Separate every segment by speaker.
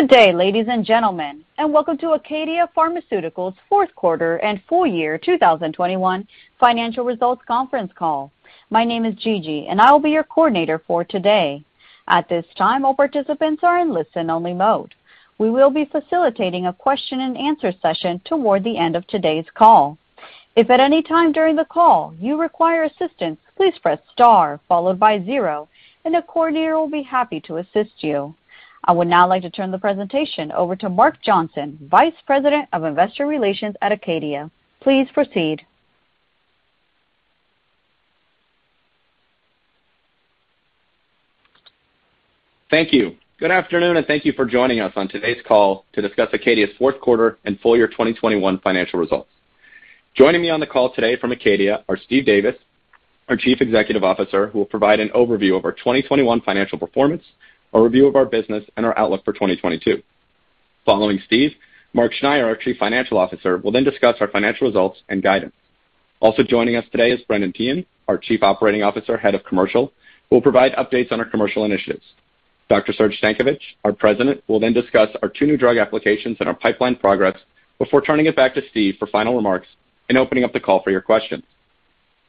Speaker 1: Good day, ladies and gentlemen, and welcome to Acadia Pharmaceuticals' fourth quarter and full year 2021 financial results conference call. My name is Gigi, and I will be your coordinator for today. At this time, all participants are in listen-only mode. We will be facilitating a question and answer session toward the end of today's call. If at any time during the call you require assistance, please press star followed by zero, and the coordinator will be happy to assist you. I would now like to turn the presentation over to Mark Johnson, Vice President of Investor Relations at Acadia. Please proceed.
Speaker 2: Thank you. Good afternoon, and thank you for joining us on today's call to discuss Acadia's fourth quarter and full year 2021 financial results. Joining me on the call today from Acadia are Steve Davis, our Chief Executive Officer, who will provide an overview of our 2021 financial performance, a review of our business, and our outlook for 2022. Following Steve, Mark Schneyer, our Chief Financial Officer, will then discuss our financial results and guidance. Also joining us today is Brendan Teehan, our Chief Operating Officer, Head of Commercial, will provide updates on our commercial initiatives. Dr. Serge Stankovic, our President, will then discuss our two new drug applications and our pipeline progress before turning it back to Steve for final remarks and opening up the call for your questions.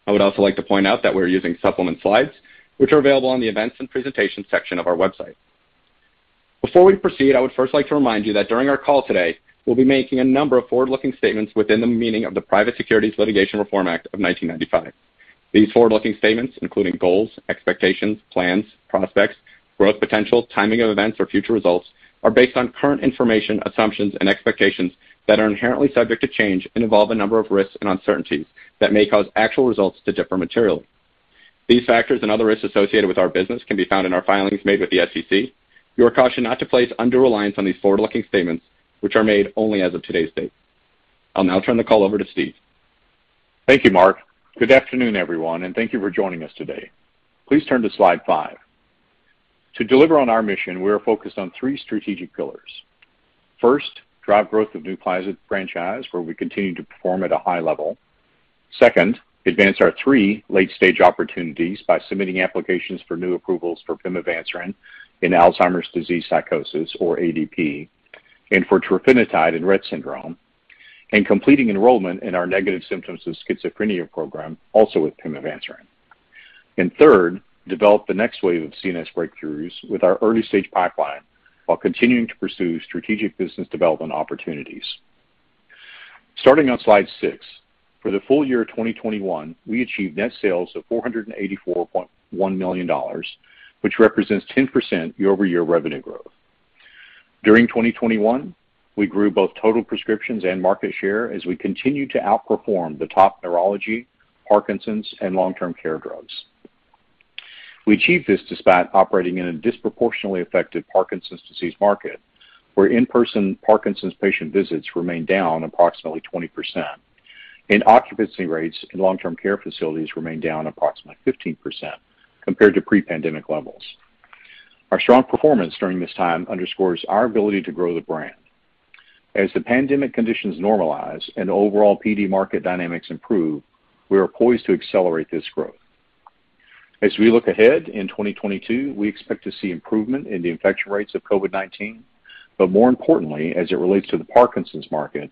Speaker 2: I would also like to point out that we're using supplement slides, which are available on the events and presentations section of our website. Before we proceed, I would first like to remind you that during our call today, we'll be making a number of forward-looking statements within the meaning of the Private Securities Litigation Reform Act of 1995. These forward-looking statements, including goals, expectations, plans, prospects, growth potential, timing of events or future results are based on current information, assumptions and expectations that are inherently subject to change and involve a number of risks and uncertainties that may cause actual results to differ materially. These factors and other risks associated with our business can be found in our filings made with the SEC. You are cautioned not to place undue reliance on these forward-looking statements which are made only as of today's date. I'll now turn the call over to Steve.
Speaker 3: Thank you, Mark. Good afternoon, everyone, and thank you for joining us today. Please turn to slide five. To deliver on our mission, we are focused on three strategic pillars. First, drive growth of NUPLAZID franchise, where we continue to perform at a high level. Second, advance our three late-stage opportunities by submitting applications for new approvals for pimavanserin in Alzheimer's disease psychosis, or ADP, and for trofinetide in Rett syndrome, and completing enrollment in our negative symptoms of schizophrenia program, also with pimavanserin. Third, develop the next wave of CNS breakthroughs with our early stage pipeline while continuing to pursue strategic business development opportunities. Starting on slide six, for the full year 2021, we achieved net sales of $484.1 million, which represents 10% year-over-year revenue growth. During 2021, we grew both total prescriptions and market share as we continue to outperform the top neurology, Parkinson's, and long-term care drugs. We achieved this despite operating in a disproportionately affected Parkinson's disease market, where in-person Parkinson's patient visits remain down approximately 20% and occupancy rates in long-term care facilities remain down approximately 15% compared to pre-pandemic levels. Our strong performance during this time underscores our ability to grow the brand. As the pandemic conditions normalize and overall PD market dynamics improve, we are poised to accelerate this growth. As we look ahead in 2022, we expect to see improvement in the infection rates of COVID-19. More importantly, as it relates to the Parkinson's market,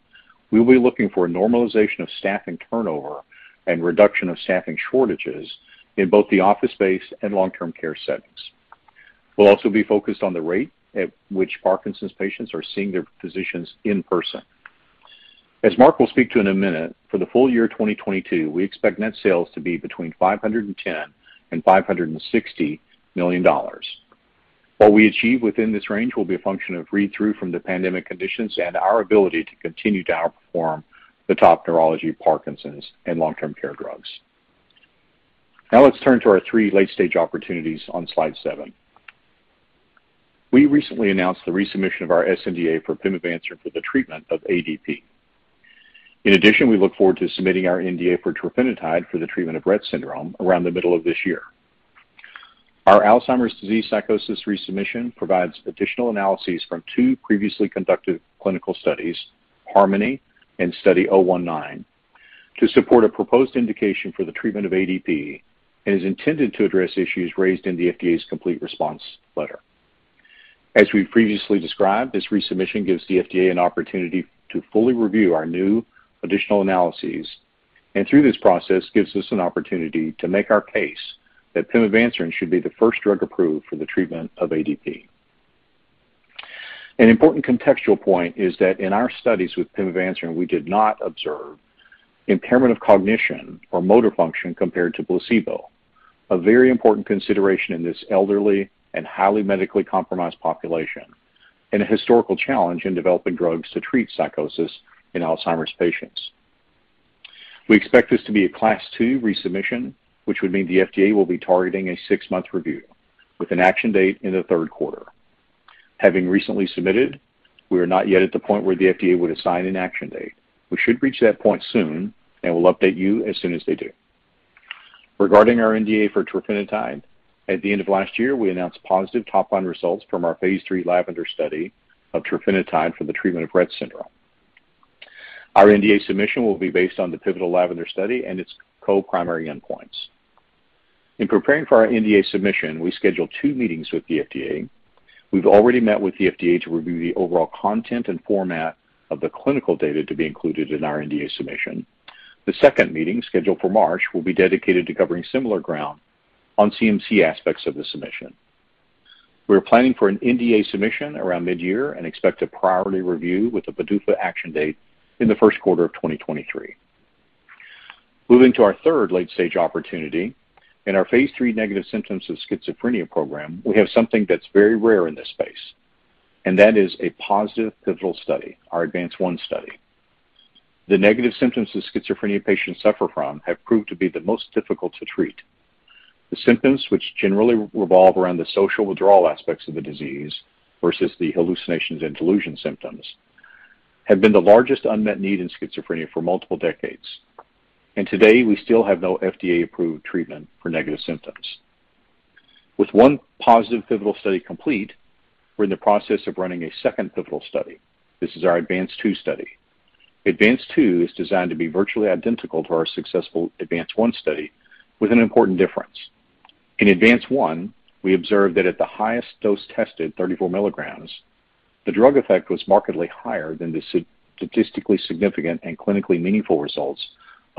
Speaker 3: we'll be looking for a normalization of staffing turnover and reduction of staffing shortages in both the office space and long-term care settings. We'll also be focused on the rate at which Parkinson's patients are seeing their physicians in person. As Mark will speak to in a minute, for the full year 2022, we expect net sales to be between $510 million and $560 million. What we achieve within this range will be a function of read-through from the pandemic conditions and our ability to continue to outperform the top neurology, Parkinson's and long-term care drugs. Now let's turn to our three late-stage opportunities on slide seven. We recently announced the resubmission of our sNDA for pimavanserin for the treatment of ADP. In addition, we look forward to submitting our NDA for trofinetide for the treatment of Rett syndrome around the middle of this year. Our Alzheimer's disease psychosis resubmission provides additional analyses from two previously conducted clinical studies, HARMONY and Study 019, to support a proposed indication for the treatment of ADP and is intended to address issues raised in the FDA's complete response letter. As we've previously described, this resubmission gives the FDA an opportunity to fully review our new additional analyses, and through this process gives us an opportunity to make our case that pimavanserin should be the first drug approved for the treatment of ADP. An important contextual point is that in our studies with pimavanserin, we did not observe impairment of cognition or motor function compared to placebo, a very important consideration in this elderly and highly medically compromised population and a historical challenge in developing drugs to treat psychosis in Alzheimer's patients. We expect this to be a Class Two resubmission, which would mean the FDA will be targeting a six-month review with an action date in the third quarter. Having recently submitted, we are not yet at the point where the FDA would assign an action date. We should reach that point soon, and we'll update you as soon as they do. Regarding our NDA for trofinetide, at the end of last year, we announced positive top-line results from our phase III LAVENDER study of trofinetide for the treatment of Rett syndrome. Our NDA submission will be based on the pivotal LAVENDER study and its co-primary endpoints. In preparing for our NDA submission, we scheduled two meetings with the FDA. We've already met with the FDA to review the overall content and format of the clinical data to be included in our NDA submission. The second meeting, scheduled for March, will be dedicated to covering similar ground on CMC aspects of the submission. We are planning for an NDA submission around mid-year and expect a priority review with a PDUFA action date in the first quarter of 2023. Moving to our third late-stage opportunity. In our phase III negative symptoms of schizophrenia program, we have something that's very rare in this space, and that is a positive pivotal study, our ADVANCE-1 study. The negative symptoms that schizophrenia patients suffer from have proved to be the most difficult to treat. The symptoms, which generally revolve around the social withdrawal aspects of the disease versus the hallucinations and delusion symptoms, have been the largest unmet need in schizophrenia for multiple decades. Today, we still have no FDA-approved treatment for negative symptoms. With one positive pivotal study complete, we're in the process of running a second pivotal study. This is our ADVANCE-2 study. ADVANCE-2 is designed to be virtually identical to our successful ADVANCE-1 study with an important difference. In ADVANCE-1, we observed that at the highest dose tested, 34 mg, the drug effect was markedly higher than the statistically significant and clinically meaningful results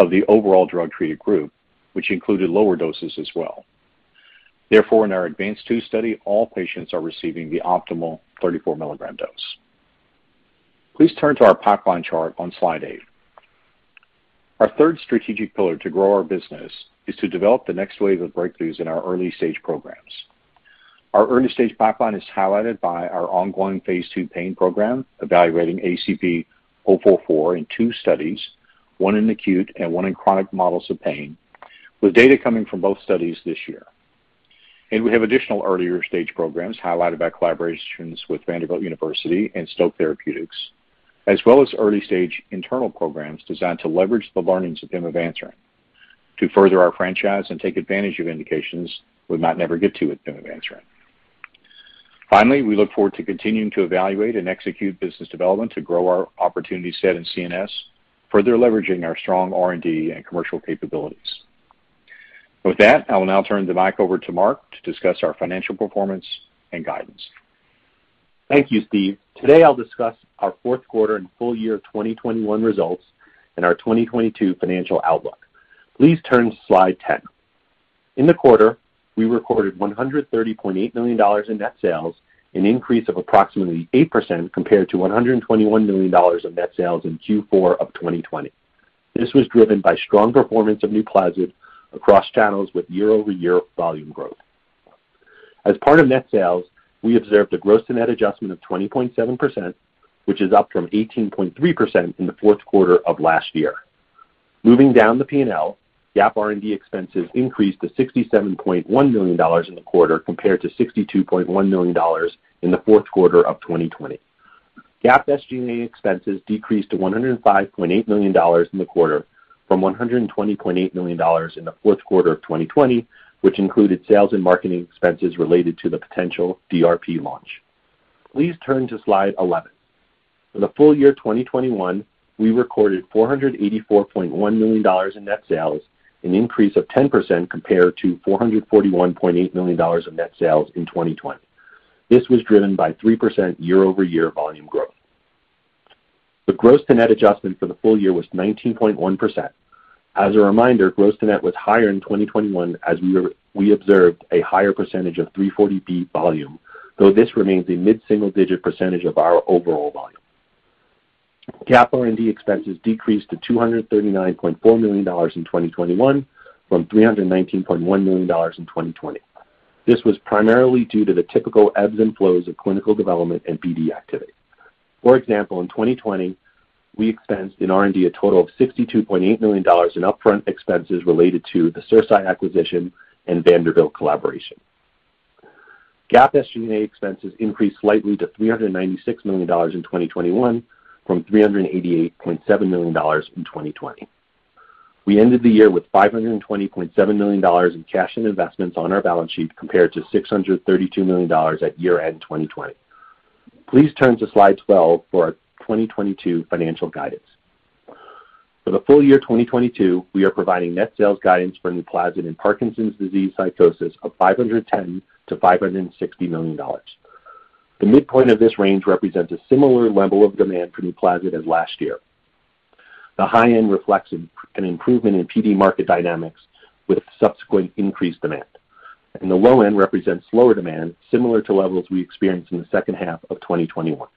Speaker 3: of the overall drug-treated group, which included lower doses as well. Therefore, in our ADVANCE-2 study, all patients are receiving the optimal 34 mg dose. Please turn to our pipeline chart on slide eight. Our third strategic pillar to grow our business is to develop the next wave of breakthroughs in our early-stage programs. Our early-stage pipeline is highlighted by our ongoing phase II pain program, evaluating ACP-044 in two studies, one in acute and one in chronic models of pain, with data coming from both studies this year. We have additional earlier stage programs highlighted by collaborations with Vanderbilt University and Stoke Therapeutics, as well as early stage internal programs designed to leverage the learnings of pimavanserin to further our franchise and take advantage of indications we might never get to with pimavanserin. Finally, we look forward to continuing to evaluate and execute business development to grow our opportunity set in CNS, further leveraging our strong R&D and commercial capabilities. With that, I will now turn the mic over to Mark to discuss our financial performance and guidance.
Speaker 4: Thank you, Steve. Today, I'll discuss our fourth quarter and full year 2021 results and our 2022 financial outlook. Please turn to slide 10. In the quarter, we recorded $130.8 million in net sales, an increase of approximately 8% compared to $121 million of net sales in Q4 of 2020. This was driven by strong performance of NUPLAZID across channels with year-over-year volume growth. As part of net sales, we observed a gross to net adjustment of 20.7%, which is up from 18.3% in the fourth quarter of last year. Moving down the P&L, GAAP R&D expenses increased to $67.1 million in the quarter compared to $62.1 million in the fourth quarter of 2020. GAAP SG&A expenses decreased to $105.8 million in the quarter from $120.8 million in the fourth quarter of 2020, which included sales and marketing expenses related to the potential DRP launch. Please turn to slide 11. For the full year 2021, we recorded $484.1 million in net sales, an increase of 10% compared to $441.8 million of net sales in 2020. This was driven by 3% year-over-year volume growth. The gross to net adjustment for the full year was 19.1%. As a reminder, gross to net was higher in 2021 as we observed a higher percentage of 340B volume, though this remains a mid-single-digit percentage of our overall volume. GAAP R&D expenses decreased to $239.4 million in 2021 from $319.1 million in 2020. This was primarily due to the typical ebbs and flows of clinical development and BD activity. For example, in 2020, we expensed in R&D a total of $62.8 million in upfront expenses related to the CerSci acquisition and Vanderbilt collaboration. GAAP SG&A expenses increased slightly to $396 million in 2021 from $388.7 million in 2020. We ended the year with $520.7 million in cash and investments on our balance sheet compared to $632 million at year-end 2020. Please turn to slide 12 for our 2022 financial guidance. For the full year 2022, we are providing net sales guidance for NUPLAZID in Parkinson's disease psychosis of $510 million-$560 million. The midpoint of this range represents a similar level of demand for NUPLAZID as last year. The high end reflects an improvement in PD market dynamics with subsequent increased demand. The low end represents lower demand, similar to levels we experienced in the second half of 2021.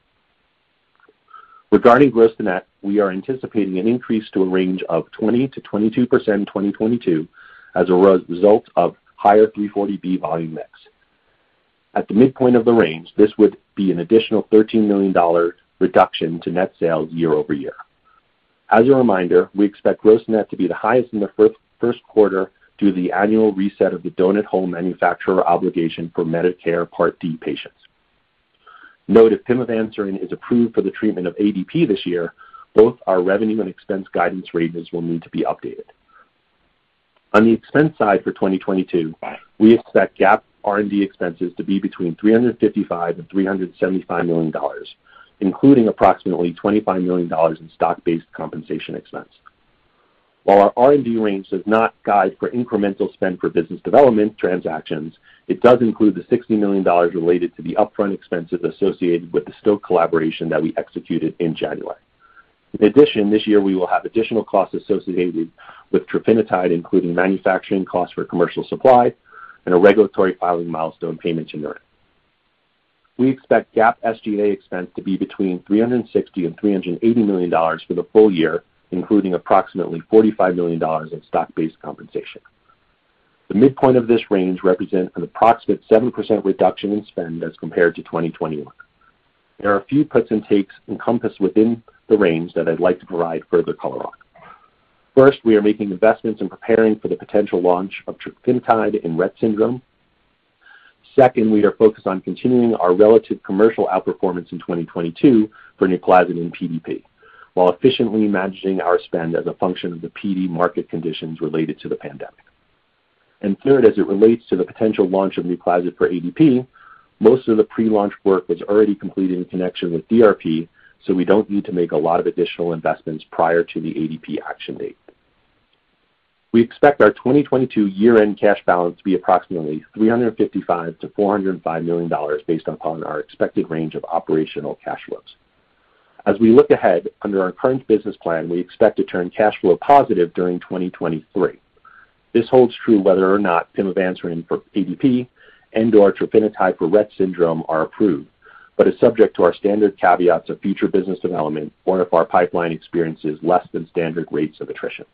Speaker 4: Regarding gross to net, we are anticipating an increase to a range of 20%-22% in 2022 as a result of higher 340B volume mix. At the midpoint of the range, this would be an additional $13 million reduction to net sales year-over-year. As a reminder, we expect gross net to be the highest in the first quarter due to the annual reset of the Donut Hole Manufacturer obligation for Medicare Part D patients. Note if pimavanserin is approved for the treatment of ADP this year, both our revenue and expense guidance ranges will need to be updated. On the expense side for 2022, we expect GAAP R&D expenses to be between $355 million and $375 million, including approximately $25 million in stock-based compensation expense. While our R&D range does not guide for incremental spend for business development transactions, it does include the $60 million related to the upfront expenses associated with the Stoke collaboration that we executed in January. In addition, this year we will have additional costs associated with trofinetide, including manufacturing costs for commercial supply and a regulatory filing milestone payment to Neuren. We expect GAAP SG&A expense to be between $360 million and $380 million for the full year, including approximately $45 million in stock-based compensation. The midpoint of this range represents an approximate 7% reduction in spend as compared to 2021. There are a few puts and takes encompassed within the range that I'd like to provide further color on. First, we are making investments in preparing for the potential launch of trofinetide in Rett syndrome. Second, we are focused on continuing our relative commercial outperformance in 2022 for NUPLAZID in PDP, while efficiently managing our spend as a function of the PD market conditions related to the pandemic. Third, as it relates to the potential launch of NUPLAZID for ADP, most of the pre-launch work was already completed in connection with DRP, so we don't need to make a lot of additional investments prior to the ADP action date. We expect our 2022 year-end cash balance to be approximately $355 million-$405 million based upon our expected range of operational cash flows. As we look ahead, under our current business plan, we expect to turn cash flow positive during 2023. This holds true whether or not pimavanserin for PDP and/or trofinetide for Rett syndrome are approved, but is subject to our standard caveats of future business development or if our pipeline experiences less than standard rates of attrition.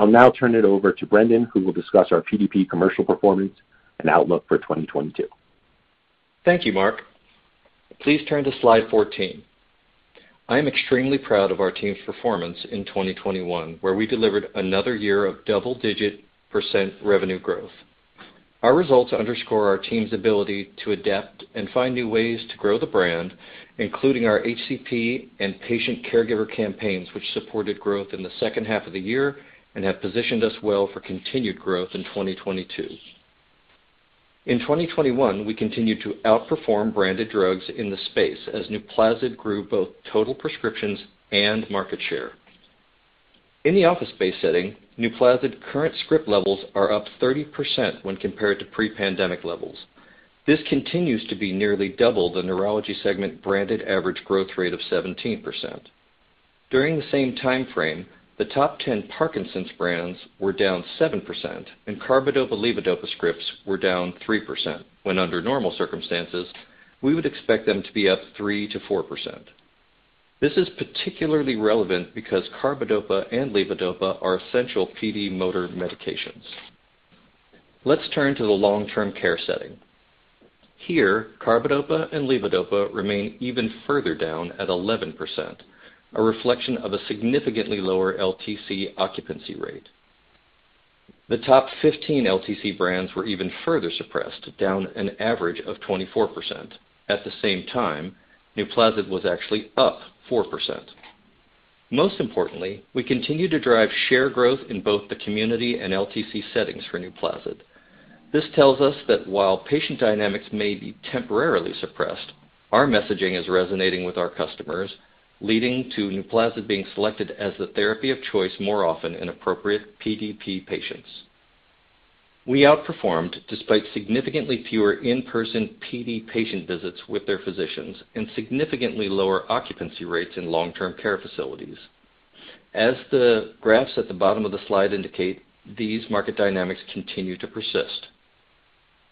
Speaker 4: I'll now turn it over to Brendan, who will discuss our PDP commercial performance and outlook for 2022.
Speaker 5: Thank you, Mark. Please turn to slide 14. I am extremely proud of our team's performance in 2021, where we delivered another year of double-digit % revenue growth. Our results underscore our team's ability to adapt and find new ways to grow the brand, including our HCP and patient caregiver campaigns, which supported growth in the second half of the year and have positioned us well for continued growth in 2022. In 2021, we continued to outperform branded drugs in the space as NUPLAZID grew both total prescriptions and market share. In the office-based setting, NUPLAZID's current script levels are up 30% when compared to pre-pandemic levels. This continues to be nearly double the neurology segment branded average growth rate of 17%. During the same time frame, the top 10 Parkinson's brands were down 7% and carbidopa/levodopa scripts were down 3% when under normal circumstances we would expect them to be up 3%-4%. This is particularly relevant because carbidopa and levodopa are essential PD motor medications. Let's turn to the long-term care setting. Here, carbidopa and levodopa remain even further down at 11%, a reflection of a significantly lower LTC occupancy rate. The top 15 LTC brands were even further suppressed, down an average of 24%. At the same time, NUPLAZID was actually up 4%. Most importantly, we continue to drive share growth in both the community and LTC settings for NUPLAZID. This tells us that while patient dynamics may be temporarily suppressed, our messaging is resonating with our customers, leading to NUPLAZID being selected as the therapy of choice more often in appropriate PDP patients. We outperformed despite significantly fewer in-person PD patient visits with their physicians and significantly lower occupancy rates in long-term care facilities. As the graphs at the bottom of the slide indicate, these market dynamics continue to persist.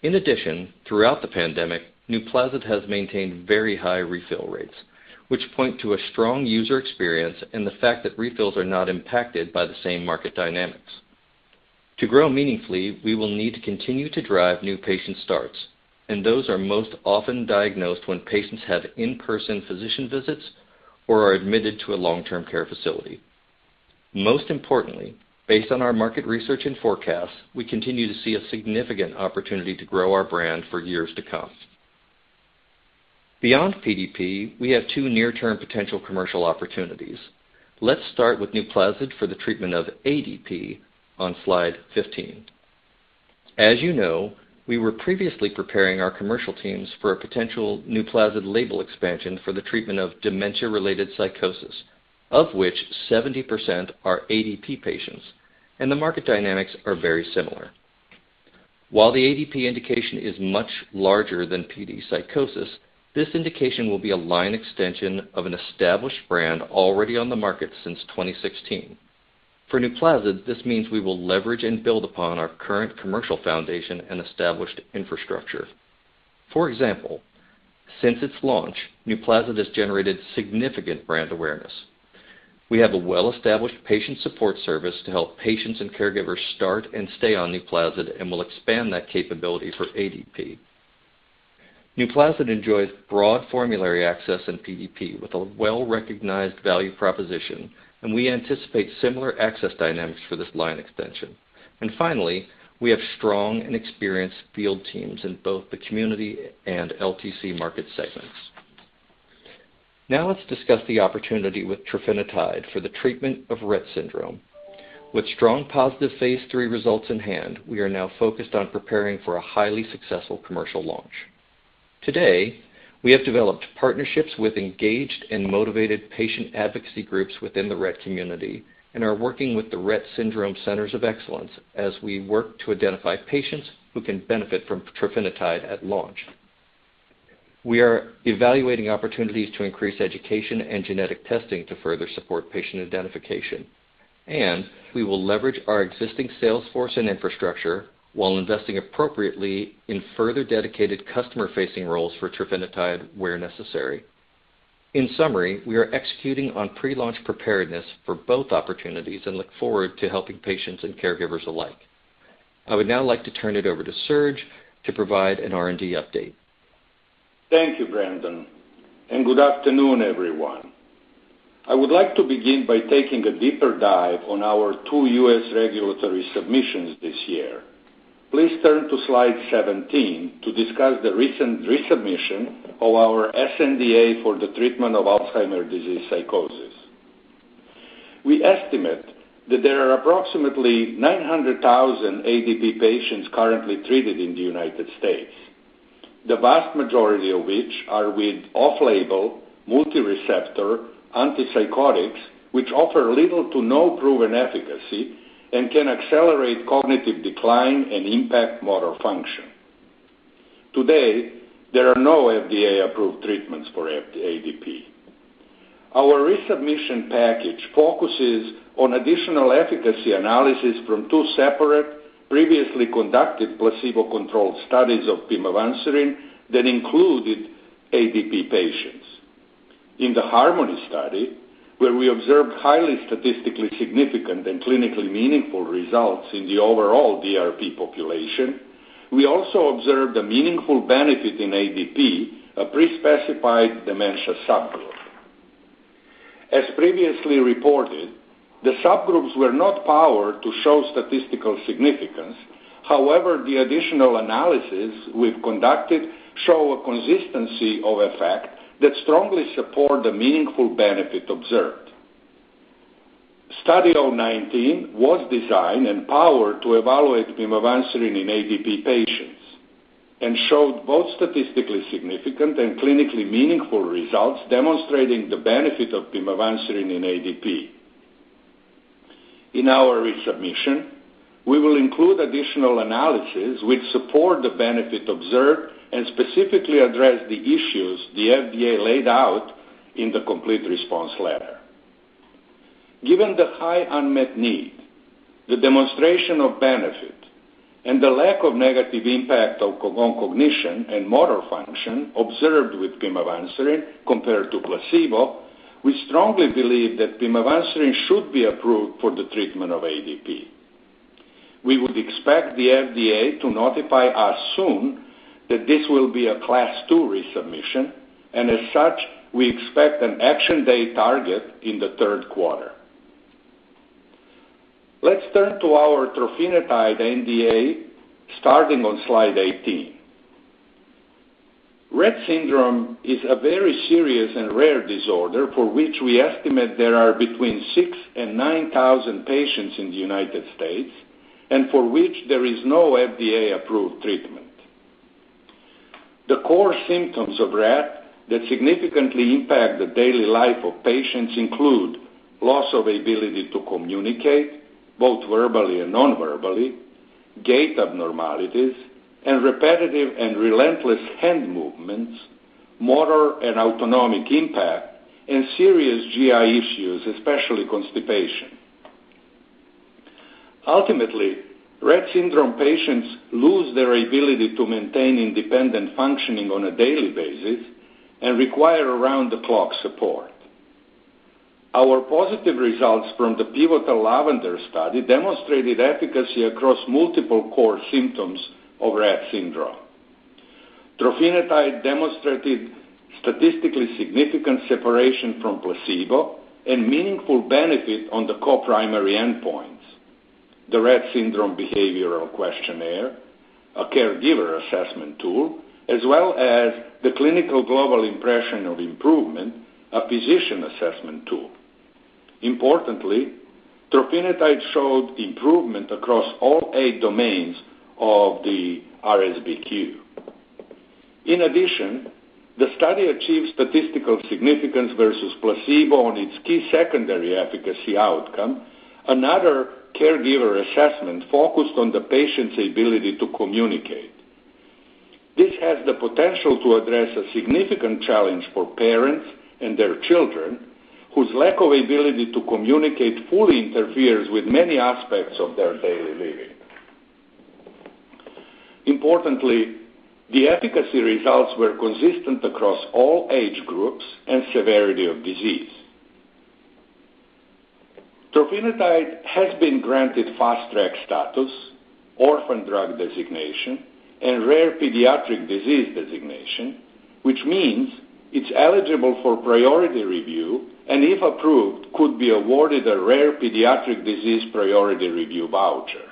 Speaker 5: In addition, throughout the pandemic, NUPLAZID has maintained very high refill rates, which point to a strong user experience and the fact that refills are not impacted by the same market dynamics. To grow meaningfully, we will need to continue to drive new patient starts, and those are most often diagnosed when patients have in-person physician visits or are admitted to a long-term care facility. Most importantly, based on our market research and forecasts, we continue to see a significant opportunity to grow our brand for years to come. Beyond PDP, we have two near-term potential commercial opportunities. Let's start with NUPLAZID for the treatment of ADP on slide 15. As you know, we were previously preparing our commercial teams for a potential NUPLAZID label expansion for the treatment of dementia-related psychosis, of which 70% are ADP patients, and the market dynamics are very similar. While the ADP indication is much larger than PD psychosis, this indication will be a line extension of an established brand already on the market since 2016. For NUPLAZID, this means we will leverage and build upon our current commercial foundation and established infrastructure. For example, since its launch, NUPLAZID has generated significant brand awareness. We have a well-established patient support service to help patients and caregivers start and stay on NUPLAZID and will expand that capability for ADP. NUPLAZID enjoys broad formulary access in PDP with a well-recognized value proposition, and we anticipate similar access dynamics for this line extension. Finally, we have strong and experienced field teams in both the community and LTC market segments. Now let's discuss the opportunity with trofinetide for the treatment of Rett syndrome. With strong positive phase III results in hand, we are now focused on preparing for a highly successful commercial launch. Today, we have developed partnerships with engaged and motivated patient advocacy groups within the Rett community and are working with the Rett Syndrome Centers of Excellence as we work to identify patients who can benefit from trofinetide at launch. We are evaluating opportunities to increase education and genetic testing to further support patient identification, and we will leverage our existing sales force and infrastructure while investing appropriately in further dedicated customer-facing roles for trofinetide where necessary. In summary, we are executing on pre-launch preparedness for both opportunities and look forward to helping patients and caregivers alike. I would now like to turn it over to Serge to provide an R&D update.
Speaker 6: Thank you, Brendan, and good afternoon, everyone. I would like to begin by taking a deeper dive on our two U.S. regulatory submissions this year. Please turn to slide 17 to discuss the recent resubmission of our sNDA for the treatment of Alzheimer's disease psychosis. We estimate that there are approximately 900,000 ADP patients currently treated in the United States, the vast majority of which are with off-label multi-receptor antipsychotics, which offer little to no proven efficacy and can accelerate cognitive decline and impact motor function. Today, there are no FDA-approved treatments for ADP. Our resubmission package focuses on additional efficacy analysis from two separate previously conducted placebo-controlled studies of pimavanserin that included ADP patients. In the HARMONY study, where we observed highly statistically significant and clinically meaningful results in the overall DRP population, we also observed a meaningful benefit in ADP, a pre-specified dementia subgroup. As previously reported, the subgroups were not powered to show statistical significance. However, the additional analysis we've conducted show a consistency of effect that strongly support the meaningful benefit observed. Study 019 was designed and powered to evaluate pimavanserin in ADP patients and showed both statistically significant and clinically meaningful results demonstrating the benefit of pimavanserin in ADP. In our resubmission, we will include additional analyses which support the benefit observed and specifically address the issues the FDA laid out in the complete response letter. Given the high unmet need, the demonstration of benefit, and the lack of negative impact of cognition and motor function observed with pimavanserin compared to placebo, we strongly believe that pimavanserin should be approved for the treatment of ADP. We would expect the FDA to notify us soon that this will be a class two resubmission, and as such, we expect an action date target in the third quarter. Let's turn to our trofinetide NDA starting on slide 18. Rett syndrome is a very serious and rare disorder for which we estimate there are between 6,000 and 9,000 patients in the United States, and for which there is no FDA-approved treatment. The core symptoms of Rett syndrome that significantly impact the daily life of patients include loss of ability to communicate, both verbally and non-verbally, gait abnormalities, and repetitive and relentless hand movements, motor and autonomic impact, and serious GI issues, especially constipation. Ultimately, Rett syndrome patients lose their ability to maintain independent functioning on a daily basis and require around-the-clock support. Our positive results from the pivotal LAVENDER study demonstrated efficacy across multiple core symptoms of Rett syndrome. Trofinetide demonstrated statistically significant separation from placebo and meaningful benefit on the core primary endpoints, the Rett Syndrome Behavioral Questionnaire, a caregiver assessment tool, as well as the Clinical Global Impression of Improvement, a physician assessment tool. Importantly, trofinetide showed improvement across all eight domains of the RSBQ. In addition, the study achieved statistical significance versus placebo on its key secondary efficacy outcome, another caregiver assessment focused on the patient's ability to communicate. This has the potential to address a significant challenge for parents and their children, whose lack of ability to communicate fully interferes with many aspects of their daily living. Importantly, the efficacy results were consistent across all age groups and severity of disease. Trofinetide has been granted Fast Track status, Orphan Drug Designation, and Rare Pediatric Disease Designation, which means it's eligible for priority review, and if approved, could be awarded a Rare Pediatric Disease Priority Review voucher.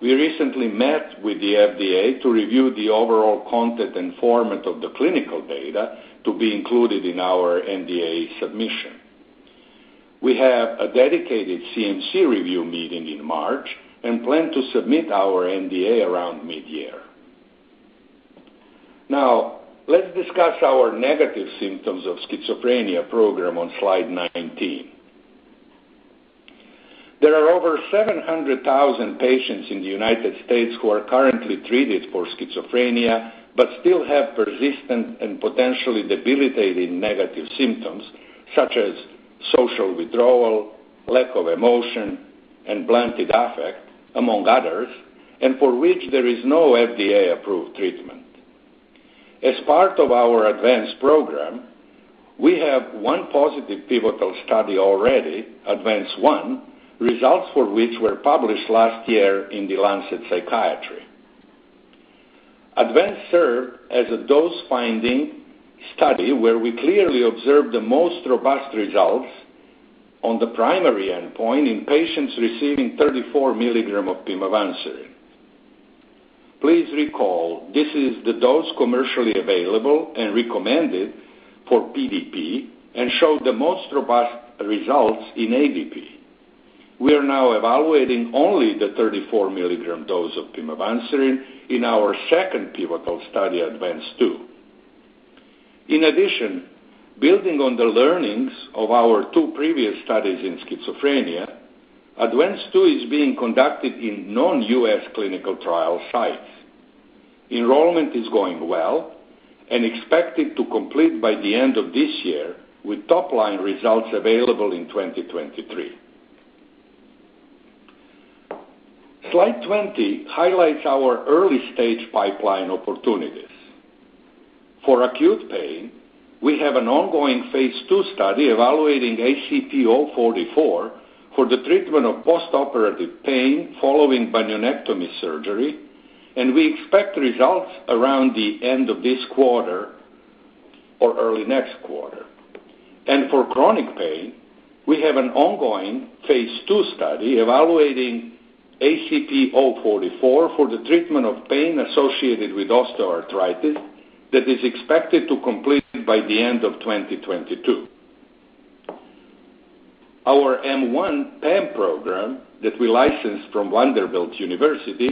Speaker 6: We recently met with the FDA to review the overall content and format of the clinical data to be included in our NDA submission. We have a dedicated CMC review meeting in March and plan to submit our NDA around mid-year. Now let's discuss our negative symptoms of schizophrenia program on slide 19. There are over 700,000 patients in the United States who are currently treated for schizophrenia, but still have persistent and potentially debilitating negative symptoms such as social withdrawal, lack of emotion, and blunted affect, among others, and for which there is no FDA-approved treatment. As part of our ADVANCE program, we have one positive pivotal study already, ADVANCE-1, results for which were published last year in The Lancet Psychiatry. ADVANCE-1 served as a dose-finding study where we clearly observed the most robust results on the primary endpoint in patients receiving 34 milligrams of pimavanserin. Please recall this is the dose commercially available and recommended for PDP and showed the most robust results in ADP. We are now evaluating only the 34 mg dose of pimavanserin in our second pivotal study, ADVANCE-2. Building on the learnings of our two previous studies in schizophrenia, ADVANCE-2 is being conducted in non-U.S. clinical trial sites. Enrollment is going well and expected to complete by the end of this year, with top-line results available in 2023. Slide 20 highlights our early-stage pipeline opportunities. For acute pain, we have an ongoing phase II study evaluating ACP-044 for the treatment of postoperative pain following bunionectomy surgery, and we expect results around the end of this quarter or early next quarter. For chronic pain, we have an ongoing phase II study evaluating ACP-044 for the treatment of pain associated with osteoarthritis that is expected to complete by the end of 2022. Our M1 PAM program that we licensed from Vanderbilt University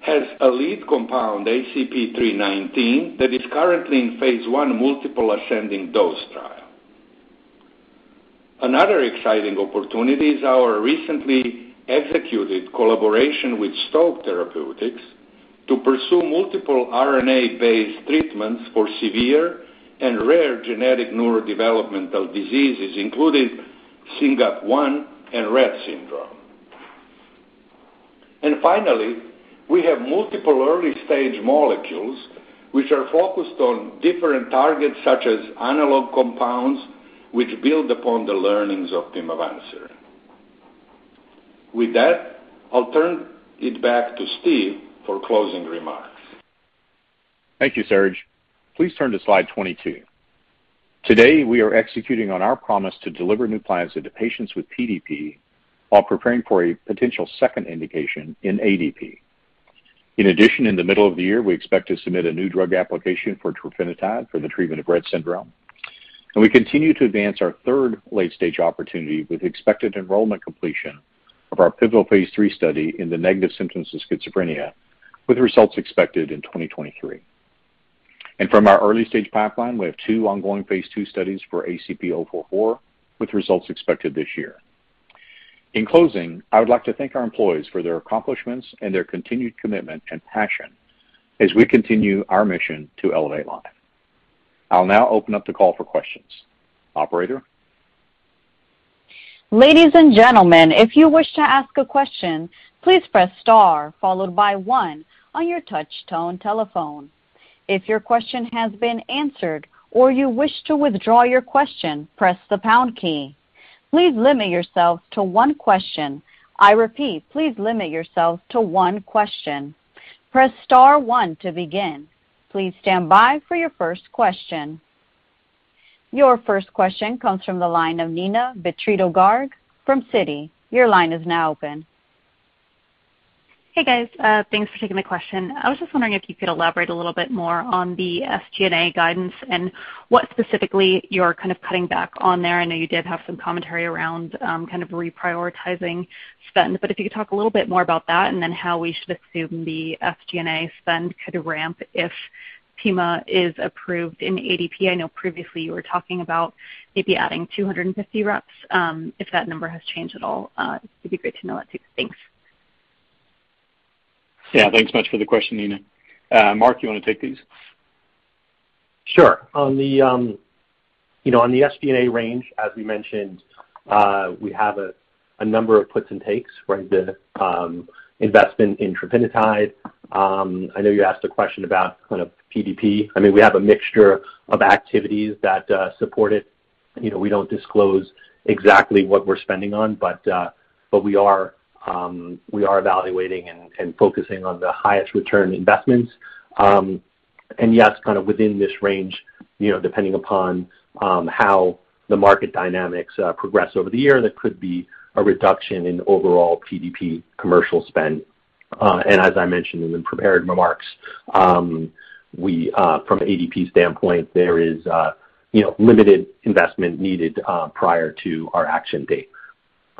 Speaker 6: has a lead compound, ACP-319, that is currently in phase I multiple ascending dose trial. Another exciting opportunity is our recently executed collaboration with Stoke Therapeutics to pursue multiple RNA-based treatments for severe and rare genetic neurodevelopmental diseases, including SYNGAP1 and Rett syndrome. Finally, we have multiple early-stage molecules which are focused on different targets, such as analog compounds, which build upon the learnings of pimavanserin. With that, I'll turn it back to Steve for closing remarks.
Speaker 3: Thank you, Serge. Please turn to slide 22. Today, we are executing on our promise to deliver NUPLAZID into patients with PDP while preparing for a potential second indication in ADP. In addition, in the middle of the year, we expect to submit a new drug application for trofinetide for the treatment of Rett syndrome. We continue to advance our third late-stage opportunity with expected enrollment completion of our pivotal phase III study in the negative symptoms of schizophrenia, with results expected in 2023. From our early stage pipeline, we have two ongoing phase II studies for ACP-044, with results expected this year. In closing, I would like to thank our employees for their accomplishments and their continued commitment and passion as we continue our mission to elevate life. I'll now open up the call for questions. Operator?
Speaker 1: Ladies and gentlemen, if you wish to ask a question, please press star followed by one on your touch tone telephone. If your question has been answered or you wish to withdraw your question, press the pound key. Please limit yourself to one question. I repeat, please limit yourself to one question. Press star one to begin. Please stand by for your first question. Your first question comes from the line of Neena Bitritto-Garg from Citi. Your line is now open.
Speaker 7: Hey, guys. Thanks for taking the question. I was just wondering if you could elaborate a little bit more on the SG&A guidance and what specifically you're kind of cutting back on there. I know you did have some commentary around kind of reprioritizing spend, but if you could talk a little bit more about that and then how we should assume the SG&A spend could ramp if pimavanserin is approved in PD. I know previously you were talking about maybe adding 250 reps. If that number has changed at all, it'd be great to know that too. Thanks.
Speaker 3: Yeah. Thanks much for the question, Neena. Mark, you want to take these?
Speaker 4: Sure. On the SG&A range, as we mentioned, we have a number of puts and takes, right? The investment in trofinetide. I know you asked a question about kind of PDP. I mean, we have a mixture of activities that support it. You know, we don't disclose exactly what we're spending on, but we are evaluating and focusing on the highest return investments. Yes, kind of within this range, you know, depending upon how the market dynamics progress over the year, there could be a reduction in overall PDP commercial spend. As I mentioned in the prepared remarks, we from ADP standpoint, there is, you know, limited investment needed prior to our action date.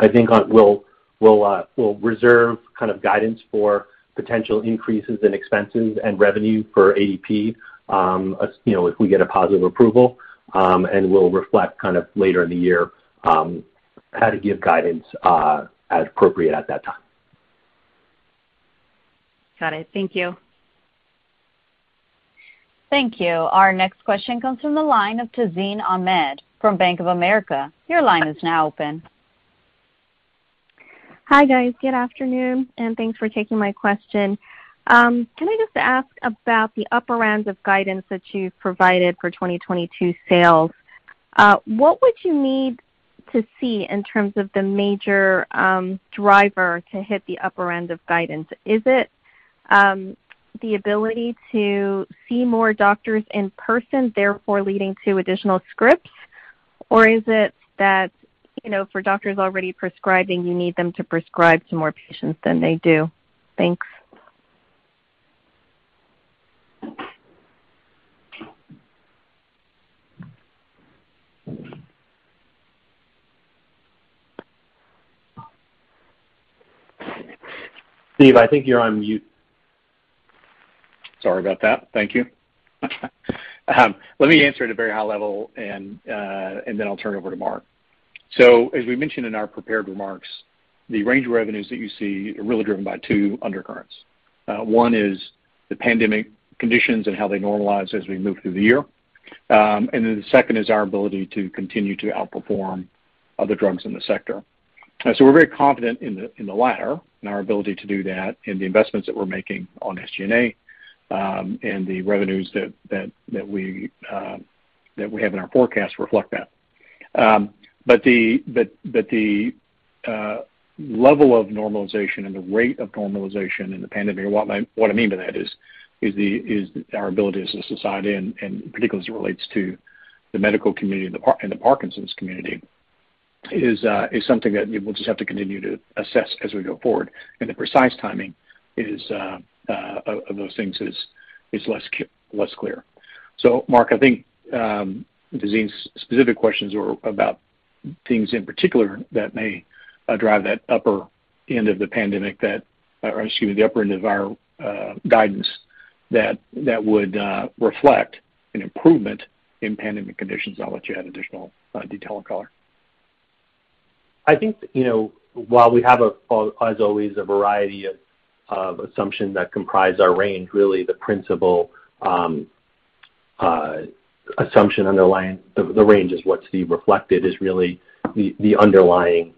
Speaker 4: I think we'll reserve kind of guidance for potential increases in expenses and revenue for ADP, as, you know, if we get a positive approval, and we'll reflect kind of later in the year, how to give guidance, as appropriate at that time.
Speaker 7: Got it. Thank you.
Speaker 1: Thank you. Our next question comes from the line of Tazeen Ahmad from Bank of America. Your line is now open.
Speaker 8: Hi, guys. Good afternoon, and thanks for taking my question. Can I just ask about the upper end of guidance that you've provided for 2022 sales? What would you need to see in terms of the major driver to hit the upper end of guidance? Is it the ability to see more doctors in person, therefore leading to additional scripts? Or is it that, you know, for doctors already prescribing, you need them to prescribe to more patients than they do? Thanks.
Speaker 4: Steve, I think you're on mute.
Speaker 3: Sorry about that. Thank you. Let me answer at a very high level and then I'll turn it over to Mark. As we mentioned in our prepared remarks, the range of revenues that you see are really driven by two undercurrents. One is the pandemic conditions and how they normalize as we move through the year. The second is our ability to continue to outperform other drugs in the sector. We're very confident in the latter and our ability to do that in the investments that we're making on SG&A, and the revenues that we have in our forecast reflect that. The level of normalization and the rate of normalization in the pandemic, what I mean by that is our ability as a society and particularly as it relates to the medical community and the Parkinson's community is something that we'll just have to continue to assess as we go forward. The precise timing of those things is less clear. Mark, I think Tazeen's specific questions were about things in particular that may drive that upper end of our guidance that would reflect an improvement in pandemic conditions. I'll let you add additional detail and color.
Speaker 4: I think, you know, while we have, as always, a variety of assumptions that comprise our range, really the principal assumption underlying the range is what Steve reflected is really the underlying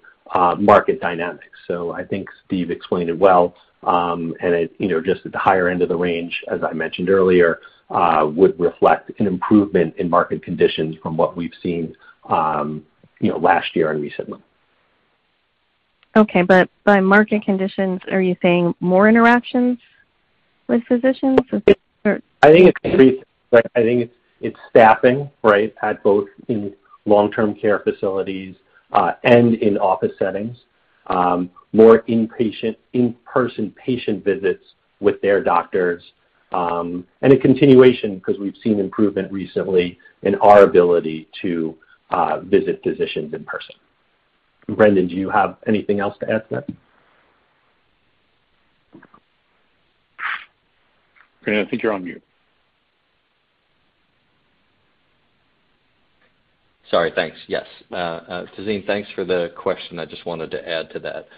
Speaker 4: market dynamics. I think Steve explained it well, and it, you know, just at the higher end of the range, as I mentioned earlier, would reflect an improvement in market conditions from what we've seen, you know, last year and recently.
Speaker 8: Okay. By market conditions, are you saying more interactions with physicians? Or-
Speaker 4: I think it's staffing, right, at both in long-term care facilities and in office settings. More inpatient, in-person patient visits with their doctors and a continuation because we've seen improvement recently in our ability to visit physicians in person. Brendan, do you have anything else to add to that?
Speaker 3: Brendan, I think you're on mute.
Speaker 5: Sorry. Thanks. Yes. Tazeen, thanks for the question. I just wanted to add to that.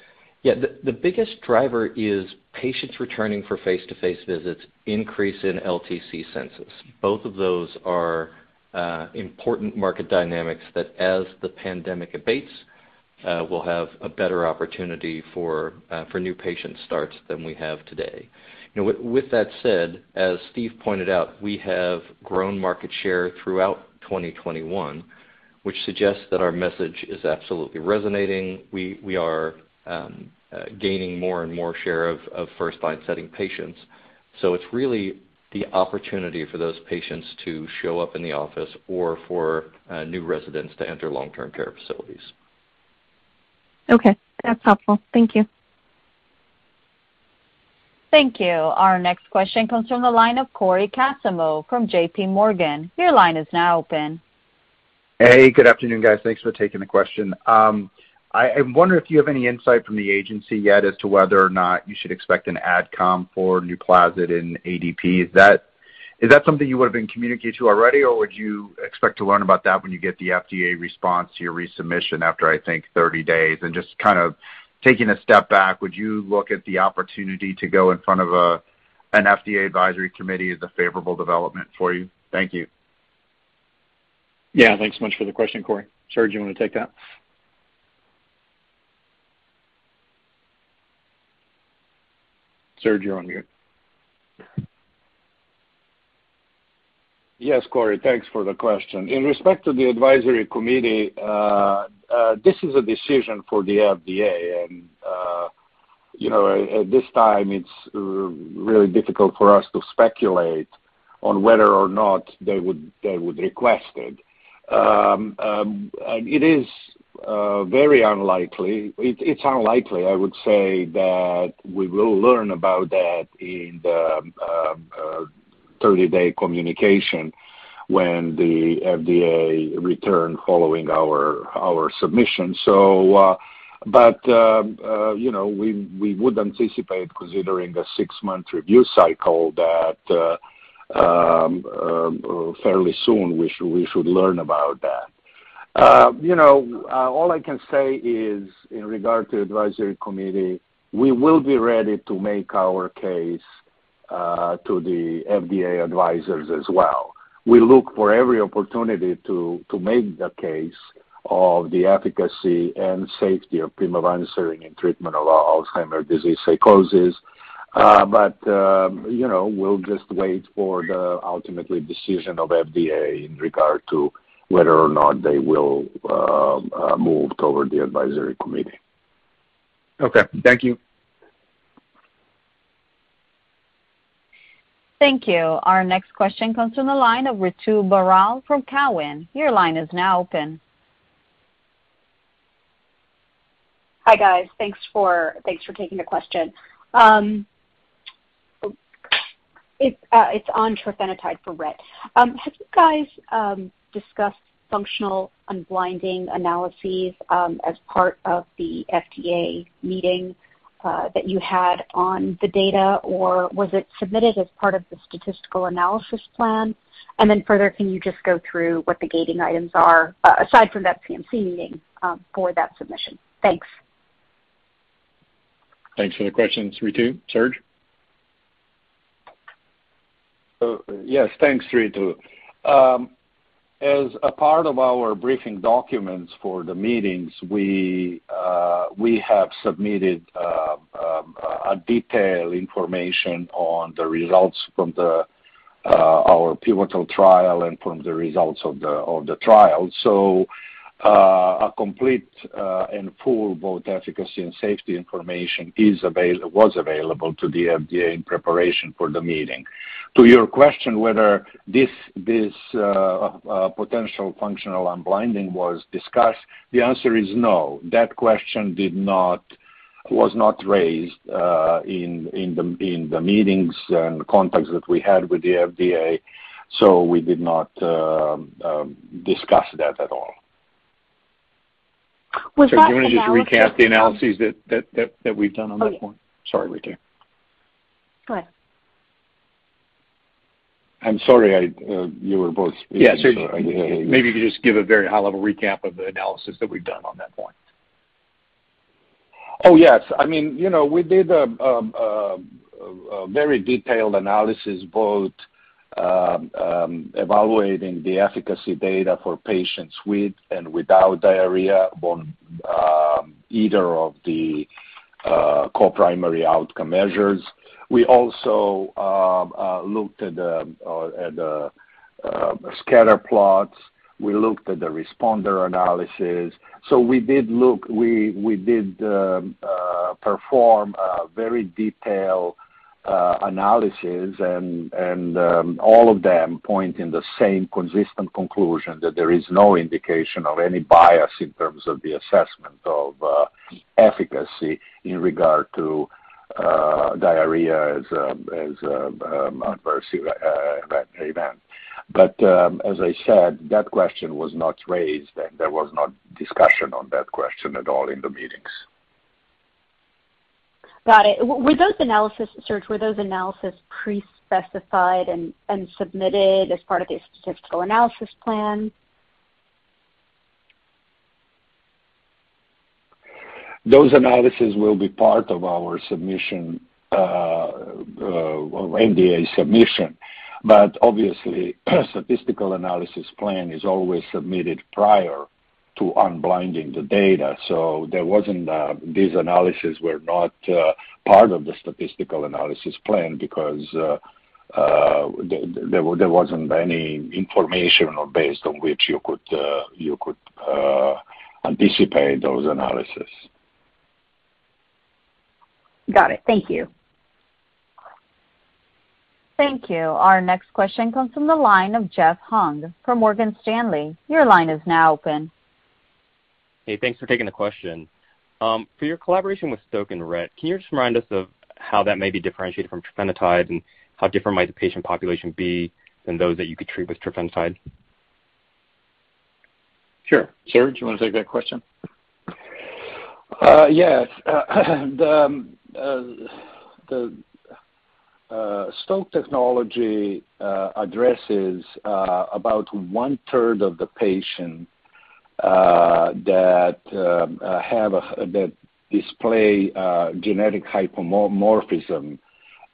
Speaker 5: Yeah. The biggest driver is patients returning for face-to-face visits increase in LTC census. Both of those are important market dynamics that as the pandemic abates, we'll have a better opportunity for new patient starts than we have today. You know, with that said, as Steve pointed out, we have grown market share throughout 2021, which suggests that our message is absolutely resonating. We are gaining more and more share of first-line setting patients. It's really the opportunity for those patients to show up in the office or for new residents to enter long-term care facilities.
Speaker 8: Okay. That's helpful. Thank you.
Speaker 1: Thank you. Our next question comes from the line of Cory Kasimov from JPMorgan. Your line is now open.
Speaker 9: Hey, good afternoon, guys. Thanks for taking the question. I wonder if you have any insight from the agency yet as to whether or not you should expect an ad com for NUPLAZID in ADP. Is that something you would have been communicated to already, or would you expect to learn about that when you get the FDA response to your resubmission after, I think, 30 days? Just kind of taking a step back, would you look at the opportunity to go in front of an FDA advisory committee as a favorable development for you? Thank you.
Speaker 3: Yeah. Thanks so much for the question, Cory. Serge, you want to take that? Serge, you're on mute.
Speaker 6: Yes, Cory. Thanks for the question. In respect to the advisory committee, this is a decision for the FDA, and- You know, at this time, it's really difficult for us to speculate on whether or not they would request it. It's unlikely, I would say, that we will learn about that in the 30-day communication when the FDA response following our submission. You know, we would anticipate, considering the six-month review cycle, that fairly soon we should learn about that. You know, all I can say is in regard to advisory committee, we will be ready to make our case to the FDA advisors as well. We look for every opportunity to make the case of the efficacy and safety of pimavanserin in treatment of Alzheimer's disease psychosis. You know, we'll just wait for the ultimate decision of FDA in regard to whether or not they will move toward the advisory committee.
Speaker 9: Okay. Thank you.
Speaker 1: Thank you. Our next question comes from the line of Ritu Baral from Cowen. Your line is now open.
Speaker 10: Hi, guys. Thanks for taking the question. It's on trofinetide for Rett. Have you guys discussed functional unblinding analyses as part of the FDA meeting that you had on the data, or was it submitted as part of the statistical analysis plan? Further, can you just go through what the gating items are aside from that PMC meeting for that submission? Thanks.
Speaker 3: Thanks for the question, Ritu. Serge?
Speaker 6: Yes, thanks, Ritu. As a part of our briefing documents for the meetings, we have submitted a detailed information on the results from our pivotal trial and from the results of the trial. A complete and full both efficacy and safety information was available to the FDA in preparation for the meeting. To your question, whether this potential functional unblinding was discussed, the answer is no. That question was not raised in the meetings and contacts that we had with the FDA, so we did not discuss that at all.
Speaker 10: Was that analysis-
Speaker 3: Serge, do you wanna just recap the analyses that we've done on that point?
Speaker 10: Oh, yeah.
Speaker 6: Sorry, Ritu.
Speaker 10: Go ahead.
Speaker 6: I'm sorry, you were both speaking, so.
Speaker 3: Yeah, maybe you could just give a very high-level recap of the analysis that we've done on that point.
Speaker 6: Oh, yes. I mean, you know, we did a very detailed analysis both evaluating the efficacy data for patients with and without diarrhea on either of the co-primary outcome measures. We also looked at the scatter plots. We looked at the responder analysis. We did look. We did perform a very detailed analysis and all of them point in the same consistent conclusion that there is no indication of any bias in terms of the assessment of efficacy in regard to diarrhea as a adverse event. As I said, that question was not raised, and there was no discussion on that question at all in the meetings.
Speaker 10: Got it. Were those analyses, Serge, pre-specified and submitted as part of the statistical analysis plan?
Speaker 6: Those analyses will be part of our submission, well, NDA submission. Obviously, statistical analysis plan is always submitted prior to unblinding the data. These analyses were not part of the statistical analysis plan because there wasn't any information or basis on which you could anticipate those analyses.
Speaker 10: Got it. Thank you.
Speaker 1: Thank you. Our next question comes from the line of Jeff Hung from Morgan Stanley. Your line is now open.
Speaker 11: Hey, thanks for taking the question. For your collaboration with Stoke and Rett, can you just remind us of how that may be differentiated from trofinetide and how different might the patient population be than those that you could treat with trofinetide?
Speaker 3: Sure. Serge, you wanna take that question?
Speaker 6: Yes. The Stoke technology addresses about one-third of the patient that display genetic hypomorphism.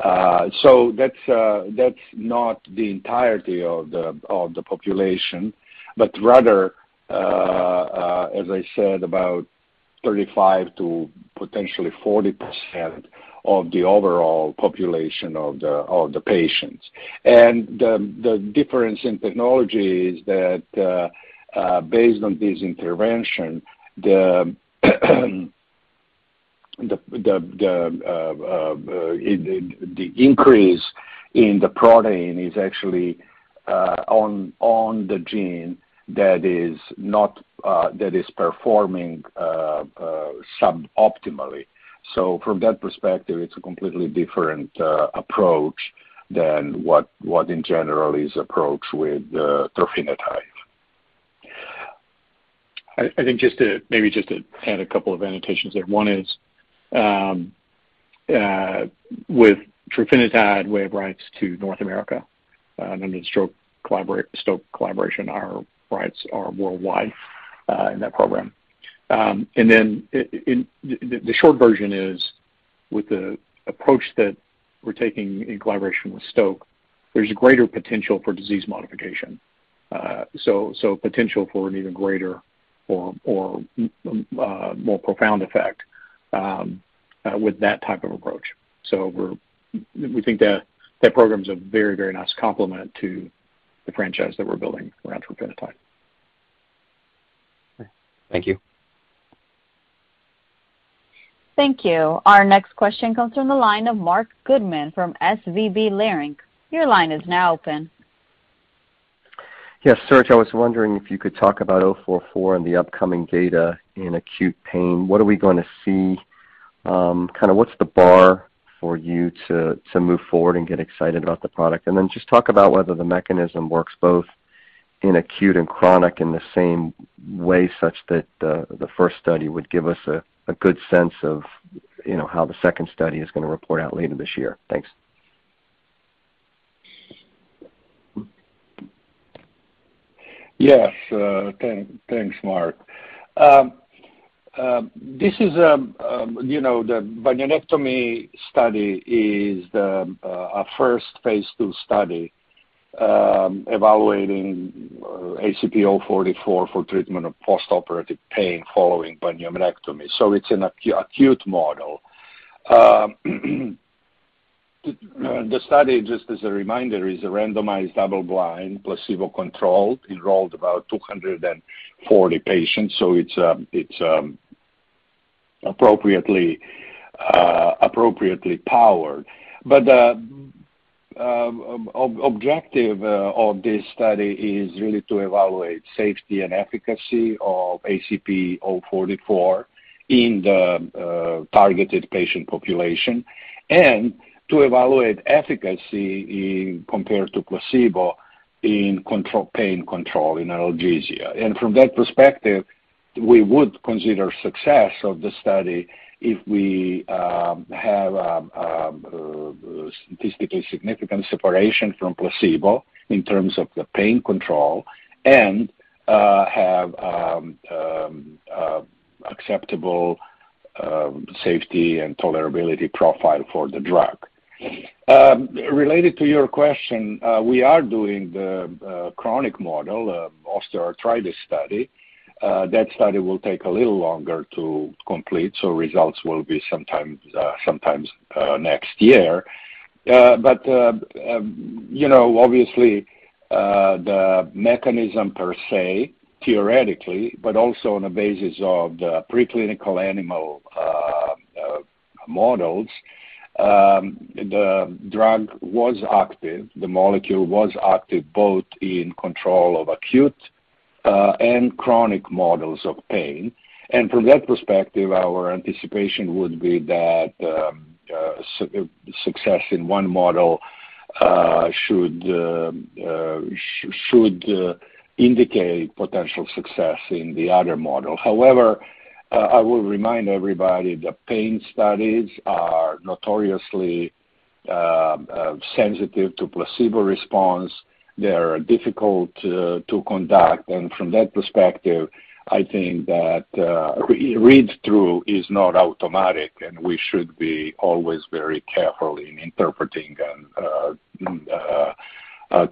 Speaker 6: That's not the entirety of the population, but rather, as I said, about 35% to potentially 40% of the overall population of the patients. The difference in technology is that, based on this intervention, the increase in the protein is actually on the gene that is not performing sub-optimally. From that perspective, it's a completely different approach than what in general is approached with trofinetide.
Speaker 3: I think maybe just to add a couple of annotations there. One is, with trofinetide, we have rights to North America, and then Stoke collaboration, our rights are worldwide, in that program. The short version is, with the approach that we're taking in collaboration with Stoke, there's a greater potential for disease modification. Potential for an even greater or more profound effect, with that type of approach. We think that program is a very nice complement to the franchise that we're building around trofinetide.
Speaker 11: Thank you.
Speaker 1: Thank you. Our next question comes from the line of Marc Goodman from SVB Leerink. Your line is now open.
Speaker 12: Yes, Serge, I was wondering if you could talk about 044 and the upcoming data in acute pain. What are we gonna see? Kind of, what's the bar for you to move forward and get excited about the product? Then just talk about whether the mechanism works both in acute and chronic in the same way, such that the first study would give us a good sense of, you know, how the second study is gonna report out later this year. Thanks.
Speaker 6: Yes. Thanks, Marc. This is, you know, the bunionectomy study is a first phase II study evaluating ACP-044 for treatment of postoperative pain following bunionectomy. It's an acute model. The study, just as a reminder, is a randomized double-blind, placebo-controlled, enrolled about 240 patients. It's appropriately powered. The objective of this study is really to evaluate safety and efficacy of ACP-044 in the targeted patient population and to evaluate efficacy in compared to placebo in pain control in analgesia. From that perspective, we would consider success of the study if we have statistically significant separation from placebo in terms of the pain control and have acceptable safety and tolerability profile for the drug. Related to your question, we are doing the chronic model osteoarthritis study. That study will take a little longer to complete, so results will be sometime next year. You know, obviously, the mechanism per se, theoretically, but also on the basis of the preclinical animal models, the molecule was active both in acute and chronic models of pain. From that perspective, our anticipation would be that success in one model should indicate potential success in the other model. However, I will remind everybody, the pain studies are notoriously sensitive to placebo response. They are difficult to conduct. From that perspective, I think that read-through is not automatic, and we should be always very careful in interpreting and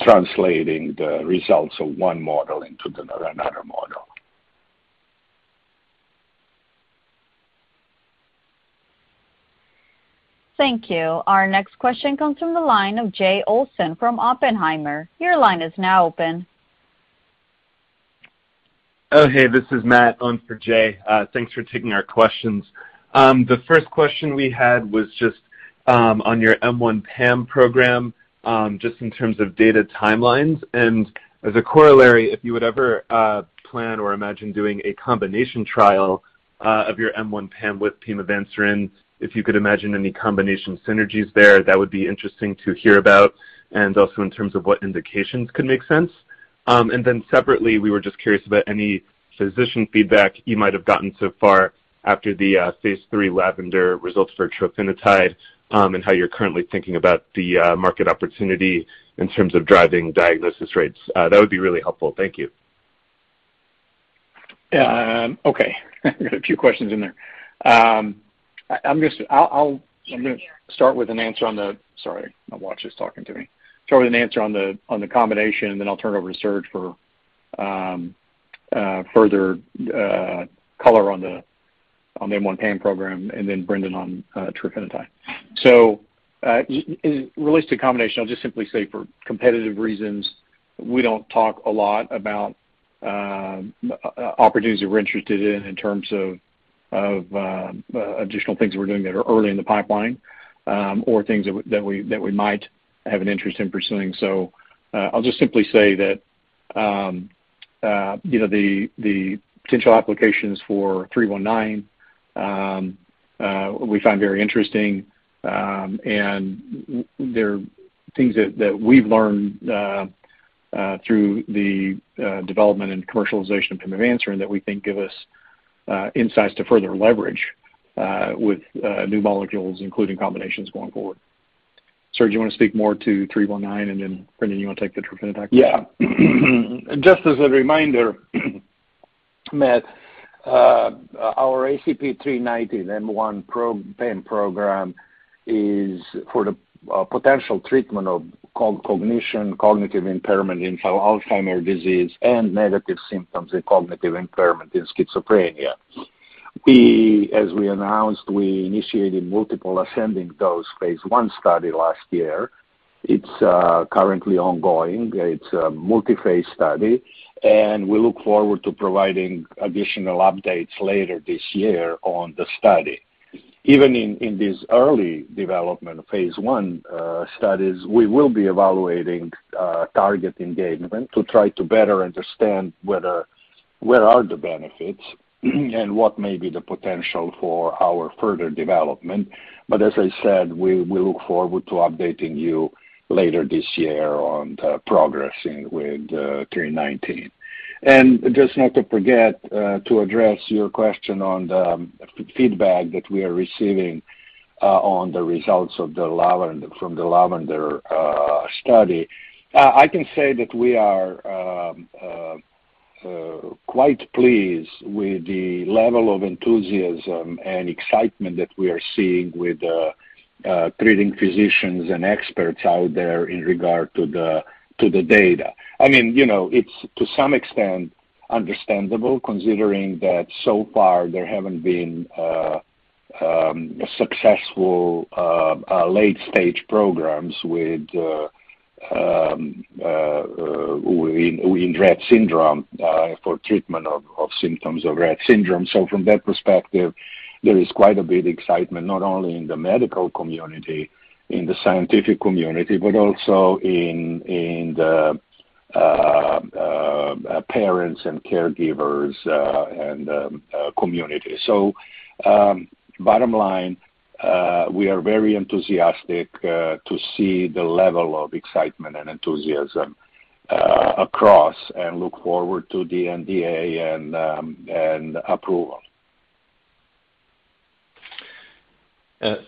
Speaker 6: translating the results of one model into another model.
Speaker 1: Thank you. Our next question comes from the line of Jay Olson from Oppenheimer. Your line is now open.
Speaker 13: Oh, hey, this is Matt on for Jay. Thanks for taking our questions. The first question we had was just on your M1 PAM program, just in terms of data timelines. As a corollary, if you would ever plan or imagine doing a combination trial of your M1 PAM with pimavanserin, if you could imagine any combination synergies there, that would be interesting to hear about. Also in terms of what indications could make sense. Then separately, we were just curious about any physician feedback you might have gotten so far after the phase III LAVENDER results for trofinetide, and how you're currently thinking about the market opportunity in terms of driving diagnosis rates. That would be really helpful. Thank you.
Speaker 3: Okay. We've got a few questions in there. Sorry, my watch is talking to me. I'll start with an answer on the combination, then I'll turn it over to Serge for further color on the M1 PAM program and then Brendan on trofinetide. Regarding the combination, I'll just simply say for competitive reasons, we don't talk a lot about opportunities we're interested in terms of additional things we're doing that are early in the pipeline, or things that we might have an interest in pursuing. I'll just simply say that you know, the potential applications for 319 we find very interesting, and there are things that we've learned through the development and commercialization of pimavanserin that we think give us insights to further leverage with new molecules, including combinations going forward. Serge, you wanna speak more to 319, and then Brendan, you wanna take the trofinetide question?
Speaker 6: Yeah. Just as a reminder, Matt, our ACP-319 M1 PAM program is for the potential treatment of cognition, cognitive impairment in Alzheimer's disease and negative symptoms in cognitive impairment in schizophrenia. As we announced, we initiated multiple ascending dose phase I study last year. It's currently ongoing. It's a multiphase study, and we look forward to providing additional updates later this year on the study. Even in this early development phase I studies, we will be evaluating target engagement to try to better understand whether, where are the benefits and what may be the potential for our further development. But as I said, we look forward to updating you later this year on the progress with the 319. Just not to forget, to address your question on the feedback that we are receiving on the results of the LAVENDER study. I can say that we are quite pleased with the level of enthusiasm and excitement that we are seeing with treating physicians and experts out there in regard to the data. I mean, you know, it's to some extent understandable considering that so far there haven't been successful late-stage programs in Rett syndrome for treatment of symptoms of Rett syndrome. From that perspective, there is quite a bit excitement not only in the medical community, in the scientific community, but also in the parents and caregivers and community. Bottom line, we are very enthusiastic to see the level of excitement and enthusiasm across and look forward to the NDA and approval.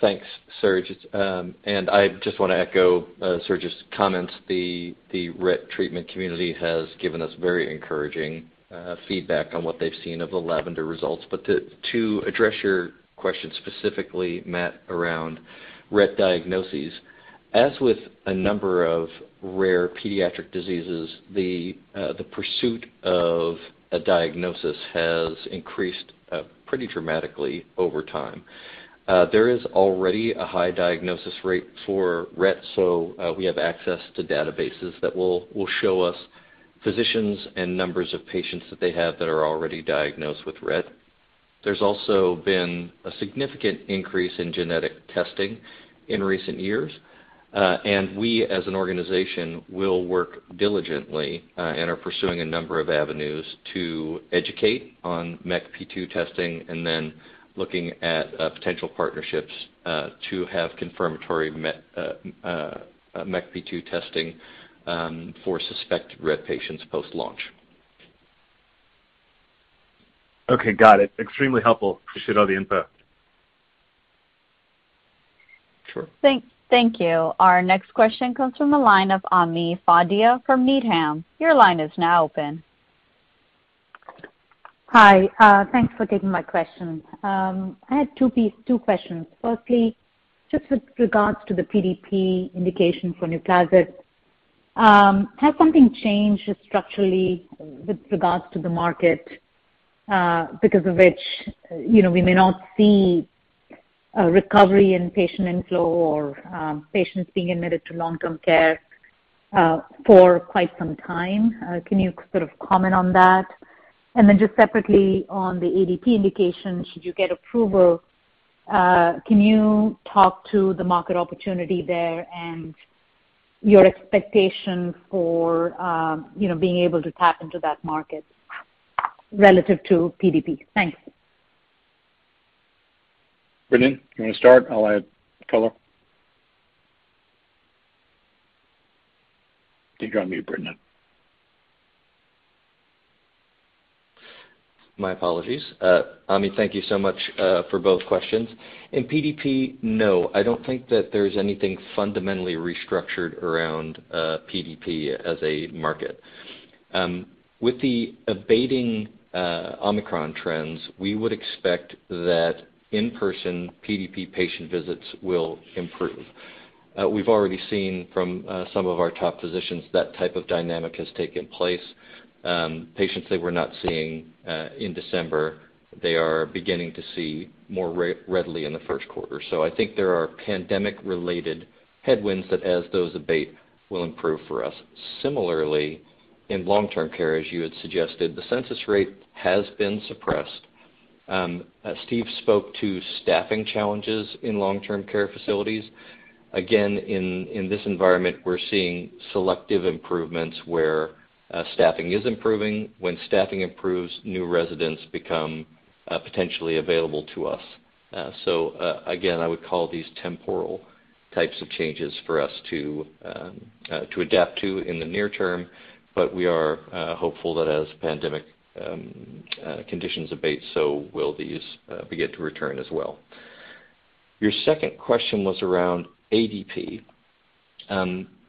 Speaker 5: Thanks, Serge. I just wanna echo Serge's comments. The Rett treatment community has given us very encouraging feedback on what they've seen of the LAVENDER results. To address your question specifically, Matt, around Rett diagnoses, as with a number of rare pediatric diseases, the pursuit of a diagnosis has increased pretty dramatically over time. There is already a high diagnosis rate for Rett, so we have access to databases that will show us physicians and numbers of patients that they have that are already diagnosed with Rett. There's also been a significant increase in genetic testing in recent years, and we as an organization will work diligently and are pursuing a number of avenues to educate on MECP2 testing and then looking at potential partnerships to have confirmatory MECP2 testing for suspect Rett patients post-launch.
Speaker 13: Okay. Got it. Extremely helpful. Appreciate all the info.
Speaker 3: Sure.
Speaker 1: Thank you. Our next question comes from the line of Ami Fadia from Needham. Your line is now open.
Speaker 14: Hi. Thanks for taking my question. I had two questions. Firstly, just with regards to the PDP indication for NUPLAZID, has something changed structurally with regards to the market, because of which, you know, we may not see a recovery in patient inflow or, patients being admitted to long-term care, for quite some time? Can you sort of comment on that? Just separately on the ADP indication, should you get approval, can you talk to the market opportunity there and your expectation for, you know, being able to tap into that market relative to PDP? Thanks.
Speaker 3: Brendan, you wanna start? I'll add color. I think you're on mute, Brendan.
Speaker 5: My apologies. Ami, thank you so much for both questions. In PDP, no. I don't think that there's anything fundamentally restructured around PDP as a market. With the abating Omicron trends, we would expect that in-person PDP patient visits will improve. We've already seen from some of our top physicians that type of dynamic has taken place. Patients that we're not seeing in December, they are beginning to see more readily in the first quarter. I think there are pandemic-related headwinds that as those abate will improve for us. Similarly, in long-term care, as you had suggested, the census rate has been suppressed. As Steve spoke to staffing challenges in long-term care facilities, again, in this environment, we're seeing selective improvements where staffing is improving. When staffing improves, new residents become potentially available to us. Again, I would call these temporal types of changes for us to adapt to in the near term, but we are hopeful that as pandemic conditions abate, so will these begin to return as well. Your second question was around ADP.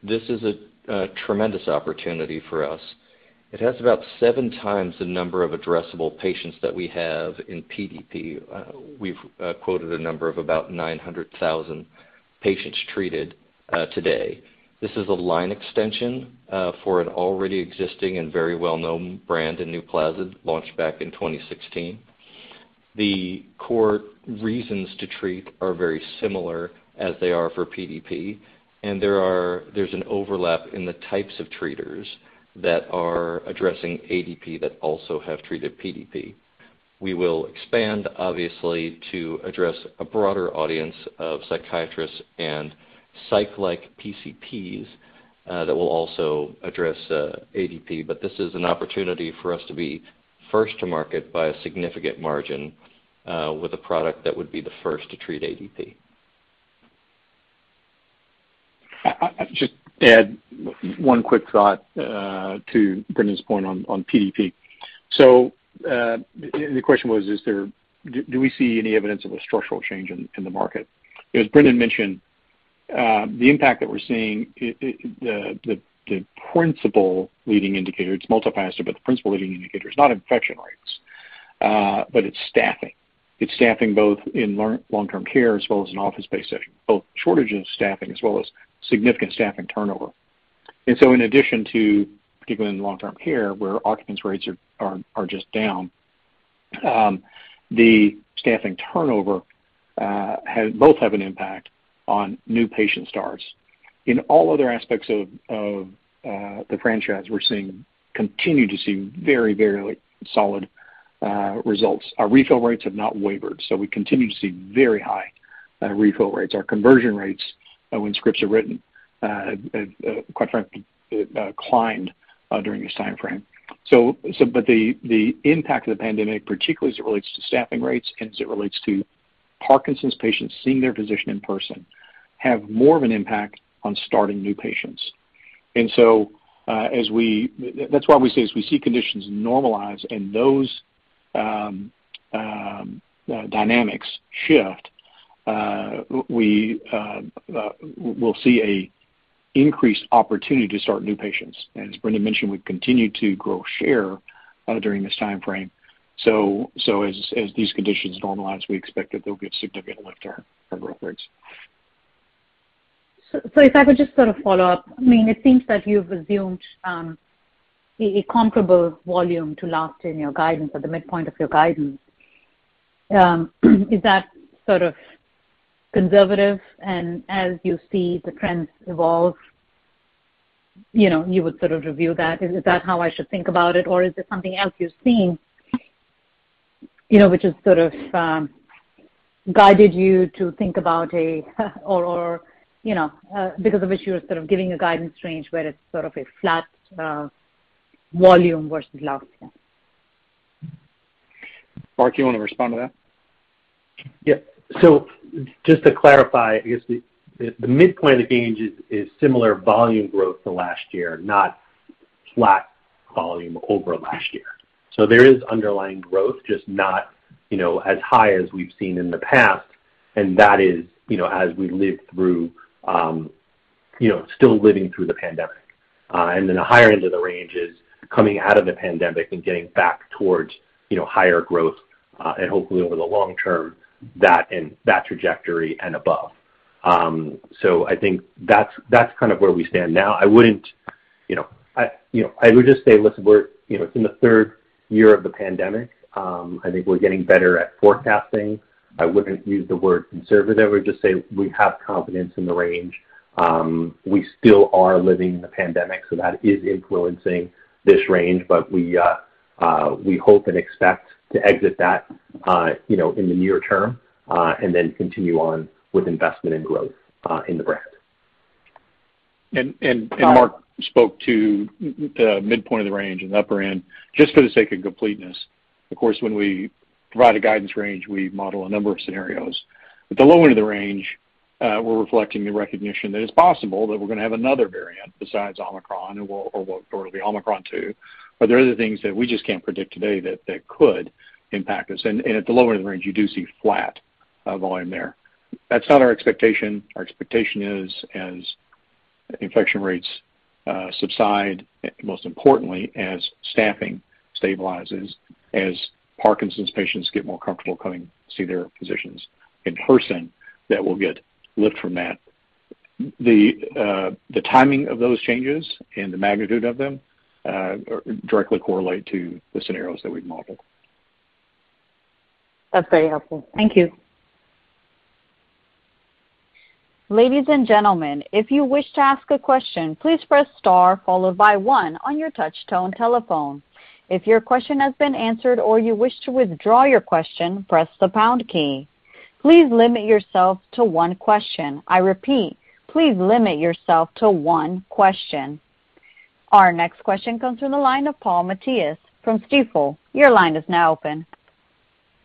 Speaker 5: This is a tremendous opportunity for us. It has about seven times the number of addressable patients that we have in PDP. We've quoted a number of about 900,000 patients treated today. This is a line extension for an already existing and very well-known brand in NUPLAZID launched back in 2016. The core reasons to treat are very similar as they are for PDP, and there's an overlap in the types of treaters that are addressing ADP that also have treated PDP. We will expand obviously to address a broader audience of psychiatrists and psych-like PCPs that will also address ADP. This is an opportunity for us to be first to market by a significant margin with a product that would be the first to treat ADP.
Speaker 3: I just add one quick thought to Brendan's point on PDP. The question was, do we see any evidence of a structural change in the market? As Brendan mentioned, the impact that we're seeing, the principal leading indicator, it's multifaceted, but the principal leading indicator is not infection rates, but it's staffing. It's staffing both in long-term care as well as an office-based setting, both shortage of staffing as well as significant staffing turnover. In addition to, particularly in long-term care, where occupancy rates are just down, the staffing turnover both have an impact on new patient starts. In all other aspects of the franchise, we continue to see very solid results. Our refill rates have not wavered, so we continue to see very high refill rates. Our conversion rates, when scripts are written, quite frankly, climbed during this time frame. But the impact of the pandemic, particularly as it relates to staffing rates and as it relates to Parkinson's patients seeing their physician in person, have more of an impact on starting new patients. That's why we say as we see conditions normalize and those dynamics shift, we'll see an increased opportunity to start new patients. As Brendan mentioned, we've continued to grow share during this time frame. As these conditions normalize, we expect that there'll be a significant lift there for growth rates.
Speaker 14: If I could just sort of follow up. I mean, it seems that you've assumed a comparable volume to last in your guidance at the midpoint of your guidance. Is that sort of conservative? As you see the trends evolve, you know, you would sort of review that. Is that how I should think about it? Or is there something else you're seeing, you know, which has sort of guided you to think about a or because of which you are sort of giving a guidance range where it's sort of a flat volume versus last year?
Speaker 3: Mark, do you want to respond to that?
Speaker 4: Yeah. Just to clarify, I guess the midpoint of the range is similar volume growth to last year, not flat volume over last year. There is underlying growth, just not, you know, as high as we've seen in the past. That is, you know, as we live through, you know, still living through the pandemic. Then the higher end of the range is coming out of the pandemic and getting back towards, you know, higher growth, and hopefully over the long term, that trajectory and above. I think that's kind of where we stand now. I wouldn't, you know, I would just say, listen, we're, you know, it's in the third year of the pandemic. I think we're getting better at forecasting. I wouldn't use the word conservative. I would just say we have confidence in the range. We still are living in the pandemic, so that is influencing this range. We hope and expect to exit that, you know, in the near term, and then continue on with investment and growth in the brand.
Speaker 3: Mark spoke to the midpoint of the range and the upper end. Just for the sake of completeness, of course, when we provide a guidance range, we model a number of scenarios. At the low end of the range, we're reflecting the recognition that it's possible that we're gonna have another variant besides Omicron or what would be Omicron two. There are other things that we just can't predict today that could impact us. At the lower end of the range, you do see flat volume there. That's not our expectation. Our expectation is as infection rates subside, most importantly, as staffing stabilizes, as Parkinson's patients get more comfortable coming to see their physicians in person that will get lift from that. The timing of those changes and the magnitude of them directly correlate to the scenarios that we've modeled.
Speaker 14: That's very helpful. Thank you.
Speaker 1: Ladies and gentlemen, if you wish to ask a question, please press star followed by one on your touchtone telephone. If your question has been answered or you wish to withdraw your question, press the pound key. Please limit yourself to one question. I repeat, please limit yourself to one question. Our next question comes from the line of Paul Matteis from Stifel. Your line is now open.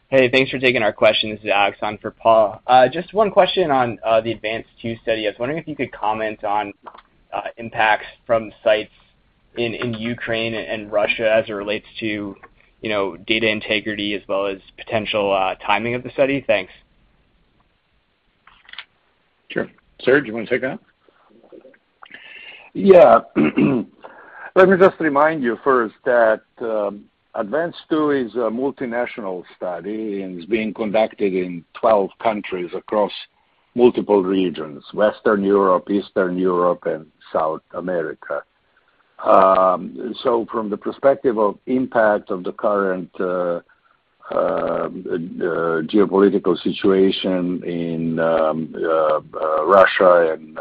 Speaker 15: Hey, thanks for taking our question. This is Alex on for Paul. Just one question on the ADVANCE-2 study. I was wondering if you could comment on impacts from sites in Ukraine and Russia as it relates to, you know, data integrity as well as potential timing of the study. Thanks.
Speaker 3: Sure. Serge, you wanna take that?
Speaker 6: Yeah. Let me just remind you first that ADVANCE-2 is a multinational study, and it's being conducted in 12 countries across multiple regions, Western Europe, Eastern Europe, and South America. So from the perspective of impact of the current geopolitical situation in Russia and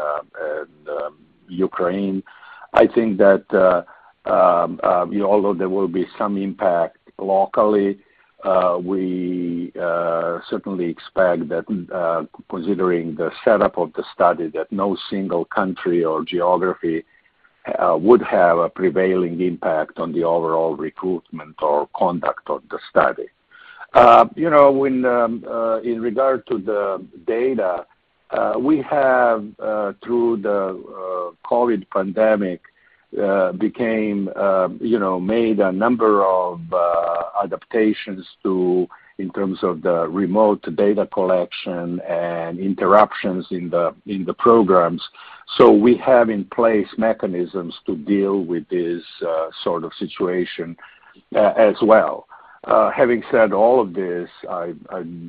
Speaker 6: Ukraine, I think that although there will be some impact locally, we certainly expect that considering the setup of the study, that no single country or geography would have a prevailing impact on the overall recruitment or conduct of the study. You know, when in regard to the data, we have through the COVID pandemic made a number of adaptations in terms of the remote data collection and interruptions in the programs. We have in place mechanisms to deal with this sort of situation as well. Having said all of this, I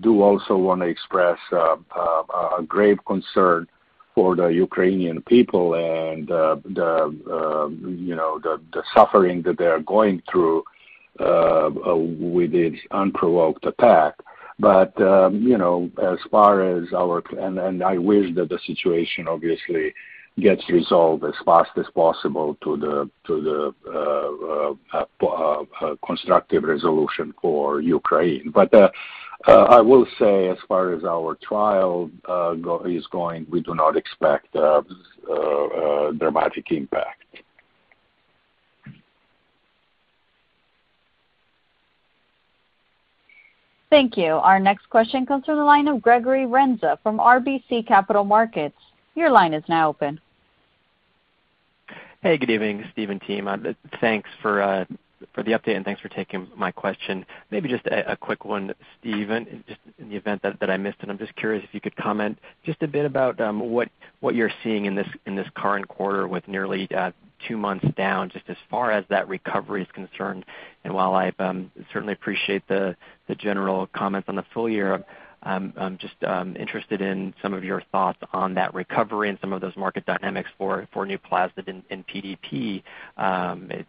Speaker 6: do also wanna express a grave concern for the Ukrainian people and, you know, the suffering that they are going through with this unprovoked attack. I wish that the situation obviously gets resolved as fast as possible to the constructive resolution for Ukraine. I will say as far as our trial is going, we do not expect a dramatic impact.
Speaker 1: Thank you. Our next question comes from the line of Gregory Renza from RBC Capital Markets. Your line is now open.
Speaker 16: Hey, good evening, Steve and team. Thanks for the update, and thanks for taking my question. Maybe just a quick one, Steve, just in the event that I missed it. I'm just curious if you could comment just a bit about what you're seeing in this current quarter with nearly two months down, just as far as that recovery is concerned. While I certainly appreciate the general comments on the full year, I'm just interested in some of your thoughts on that recovery and some of those market dynamics for NUPLAZID in PDP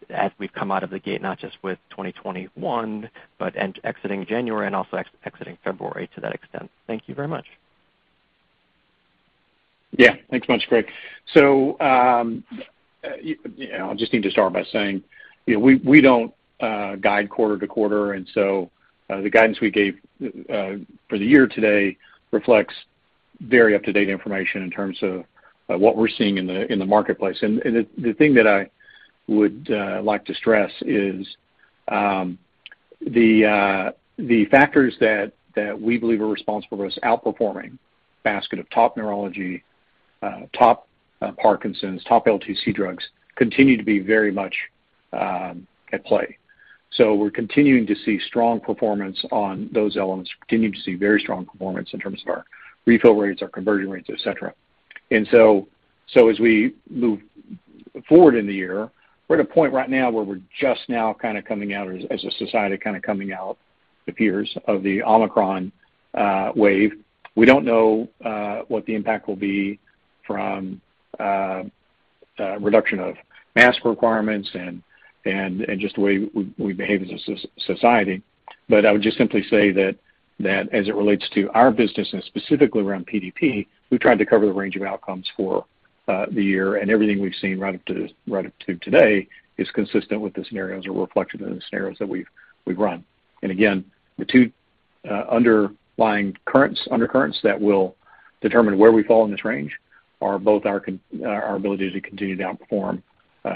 Speaker 16: as we've come out of the gate, not just with 2021, but entering January and also entering February to that extent. Thank you very much.
Speaker 3: Yeah. Thanks much, Greg. I just need to start by saying, you know, we don't guide quarter to quarter, and the guidance we gave for the year today reflects very up-to-date information in terms of what we're seeing in the marketplace. The thing that I would like to stress is the factors that we believe are responsible for us outperforming basket of top neurology, top Parkinson's, top LTC drugs continue to be very much at play. We're continuing to see strong performance on those elements. We're continuing to see very strong performance in terms of our refill rates, our conversion rates, et cetera. As we move forward in the year, we're at a point right now where we're just now kinda coming out as a society, it appears, of the Omicron wave. We don't know what the impact will be from reduction of mask requirements and just the way we behave as a society. But I would just simply say that as it relates to our business and specifically around PDP, we've tried to cover the range of outcomes for the year, and everything we've seen right up to today is consistent with the scenarios or reflected in the scenarios that we've run. Again, the two underlying currents, undercurrents that will determine where we fall in this range are both our ability to continue to outperform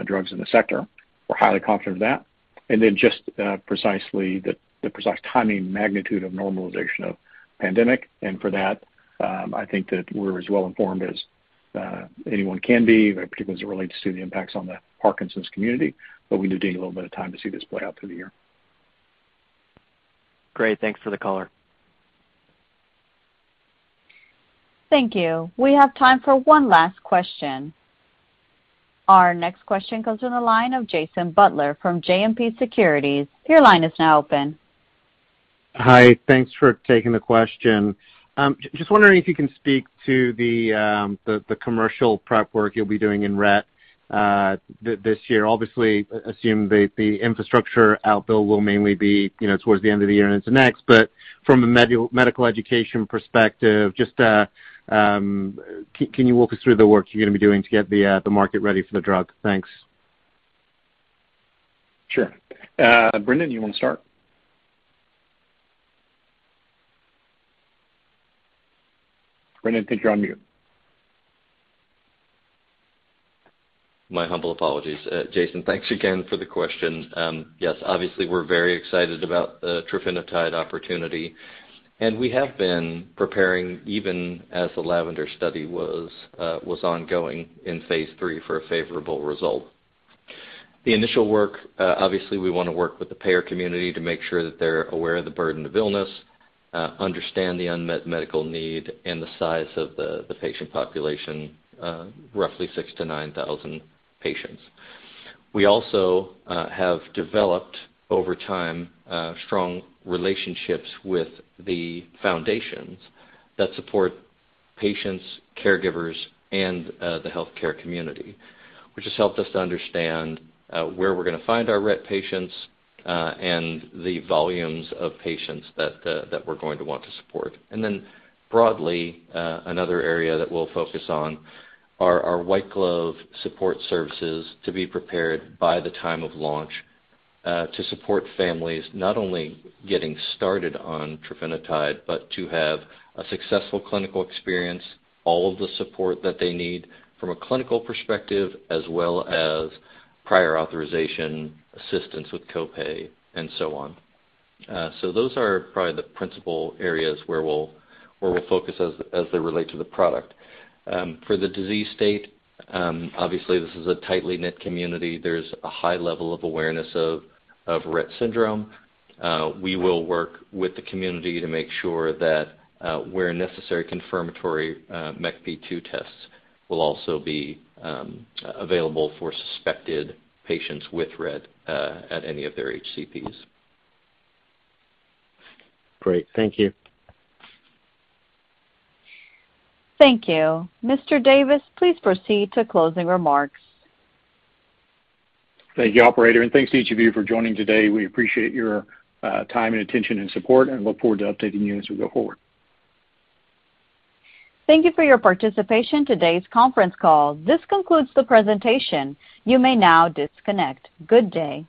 Speaker 3: drugs in the sector. We're highly confident of that. Then just precisely the precise timing magnitude of normalization of pandemic. For that, I think that we're as well informed as anyone can be, particularly as it relates to the impacts on the Parkinson's community, but we do need a little bit of time to see this play out through the year.
Speaker 16: Great. Thanks for the color.
Speaker 1: Thank you. We have time for one last question. Our next question goes to the line of Jason Butler from JMP Securities. Your line is now open.
Speaker 17: Hi. Thanks for taking the question. Just wondering if you can speak to the commercial prep work you'll be doing in Rett this year. Obviously, assume the infrastructure build-out will mainly be, you know, towards the end of the year into next. But from a medical education perspective, just can you walk us through the work you're gonna be doing to get the market ready for the drug? Thanks.
Speaker 3: Sure. Brendan, you wanna start? Brendan, I think you're on mute.
Speaker 5: My humble apologies. Jason, thanks again for the question. Yes, obviously, we're very excited about the trofinetide opportunity, and we have been preparing even as the LAVENDER study was ongoing in phase III for a favorable result. The initial work, obviously we wanna work with the payer community to make sure that they're aware of the burden of illness, understand the unmet medical need and the size of the patient population, roughly 6,000-9,000 patients. We also have developed over time strong relationships with the foundations that support patients, caregivers, and the healthcare community, which has helped us to understand where we're gonna find our Rett patients and the volumes of patients that we're going to want to support. Broadly, another area that we'll focus on are our white glove support services to be prepared by the time of launch, to support families, not only getting started on trofinetide, but to have a successful clinical experience, all of the support that they need from a clinical perspective, as well as prior authorization, assistance with co-pay, and so on. Those are probably the principal areas where we'll focus as they relate to the product. For the disease state, obviously this is a tightly knit community. There's a high level of awareness of Rett syndrome. We will work with the community to make sure that, where necessary confirmatory, MECP2 tests will also be available for suspected patients with Rett, at any of their HCPs.
Speaker 17: Great. Thank you.
Speaker 1: Thank you. Mr. Davis, please proceed to closing remarks.
Speaker 3: Thank you, operator, and thanks to each of you for joining today. We appreciate your time and attention and support, and look forward to updating you as we go forward.
Speaker 1: Thank you for your participation in today's conference call. This concludes the presentation. You may now disconnect. Good day.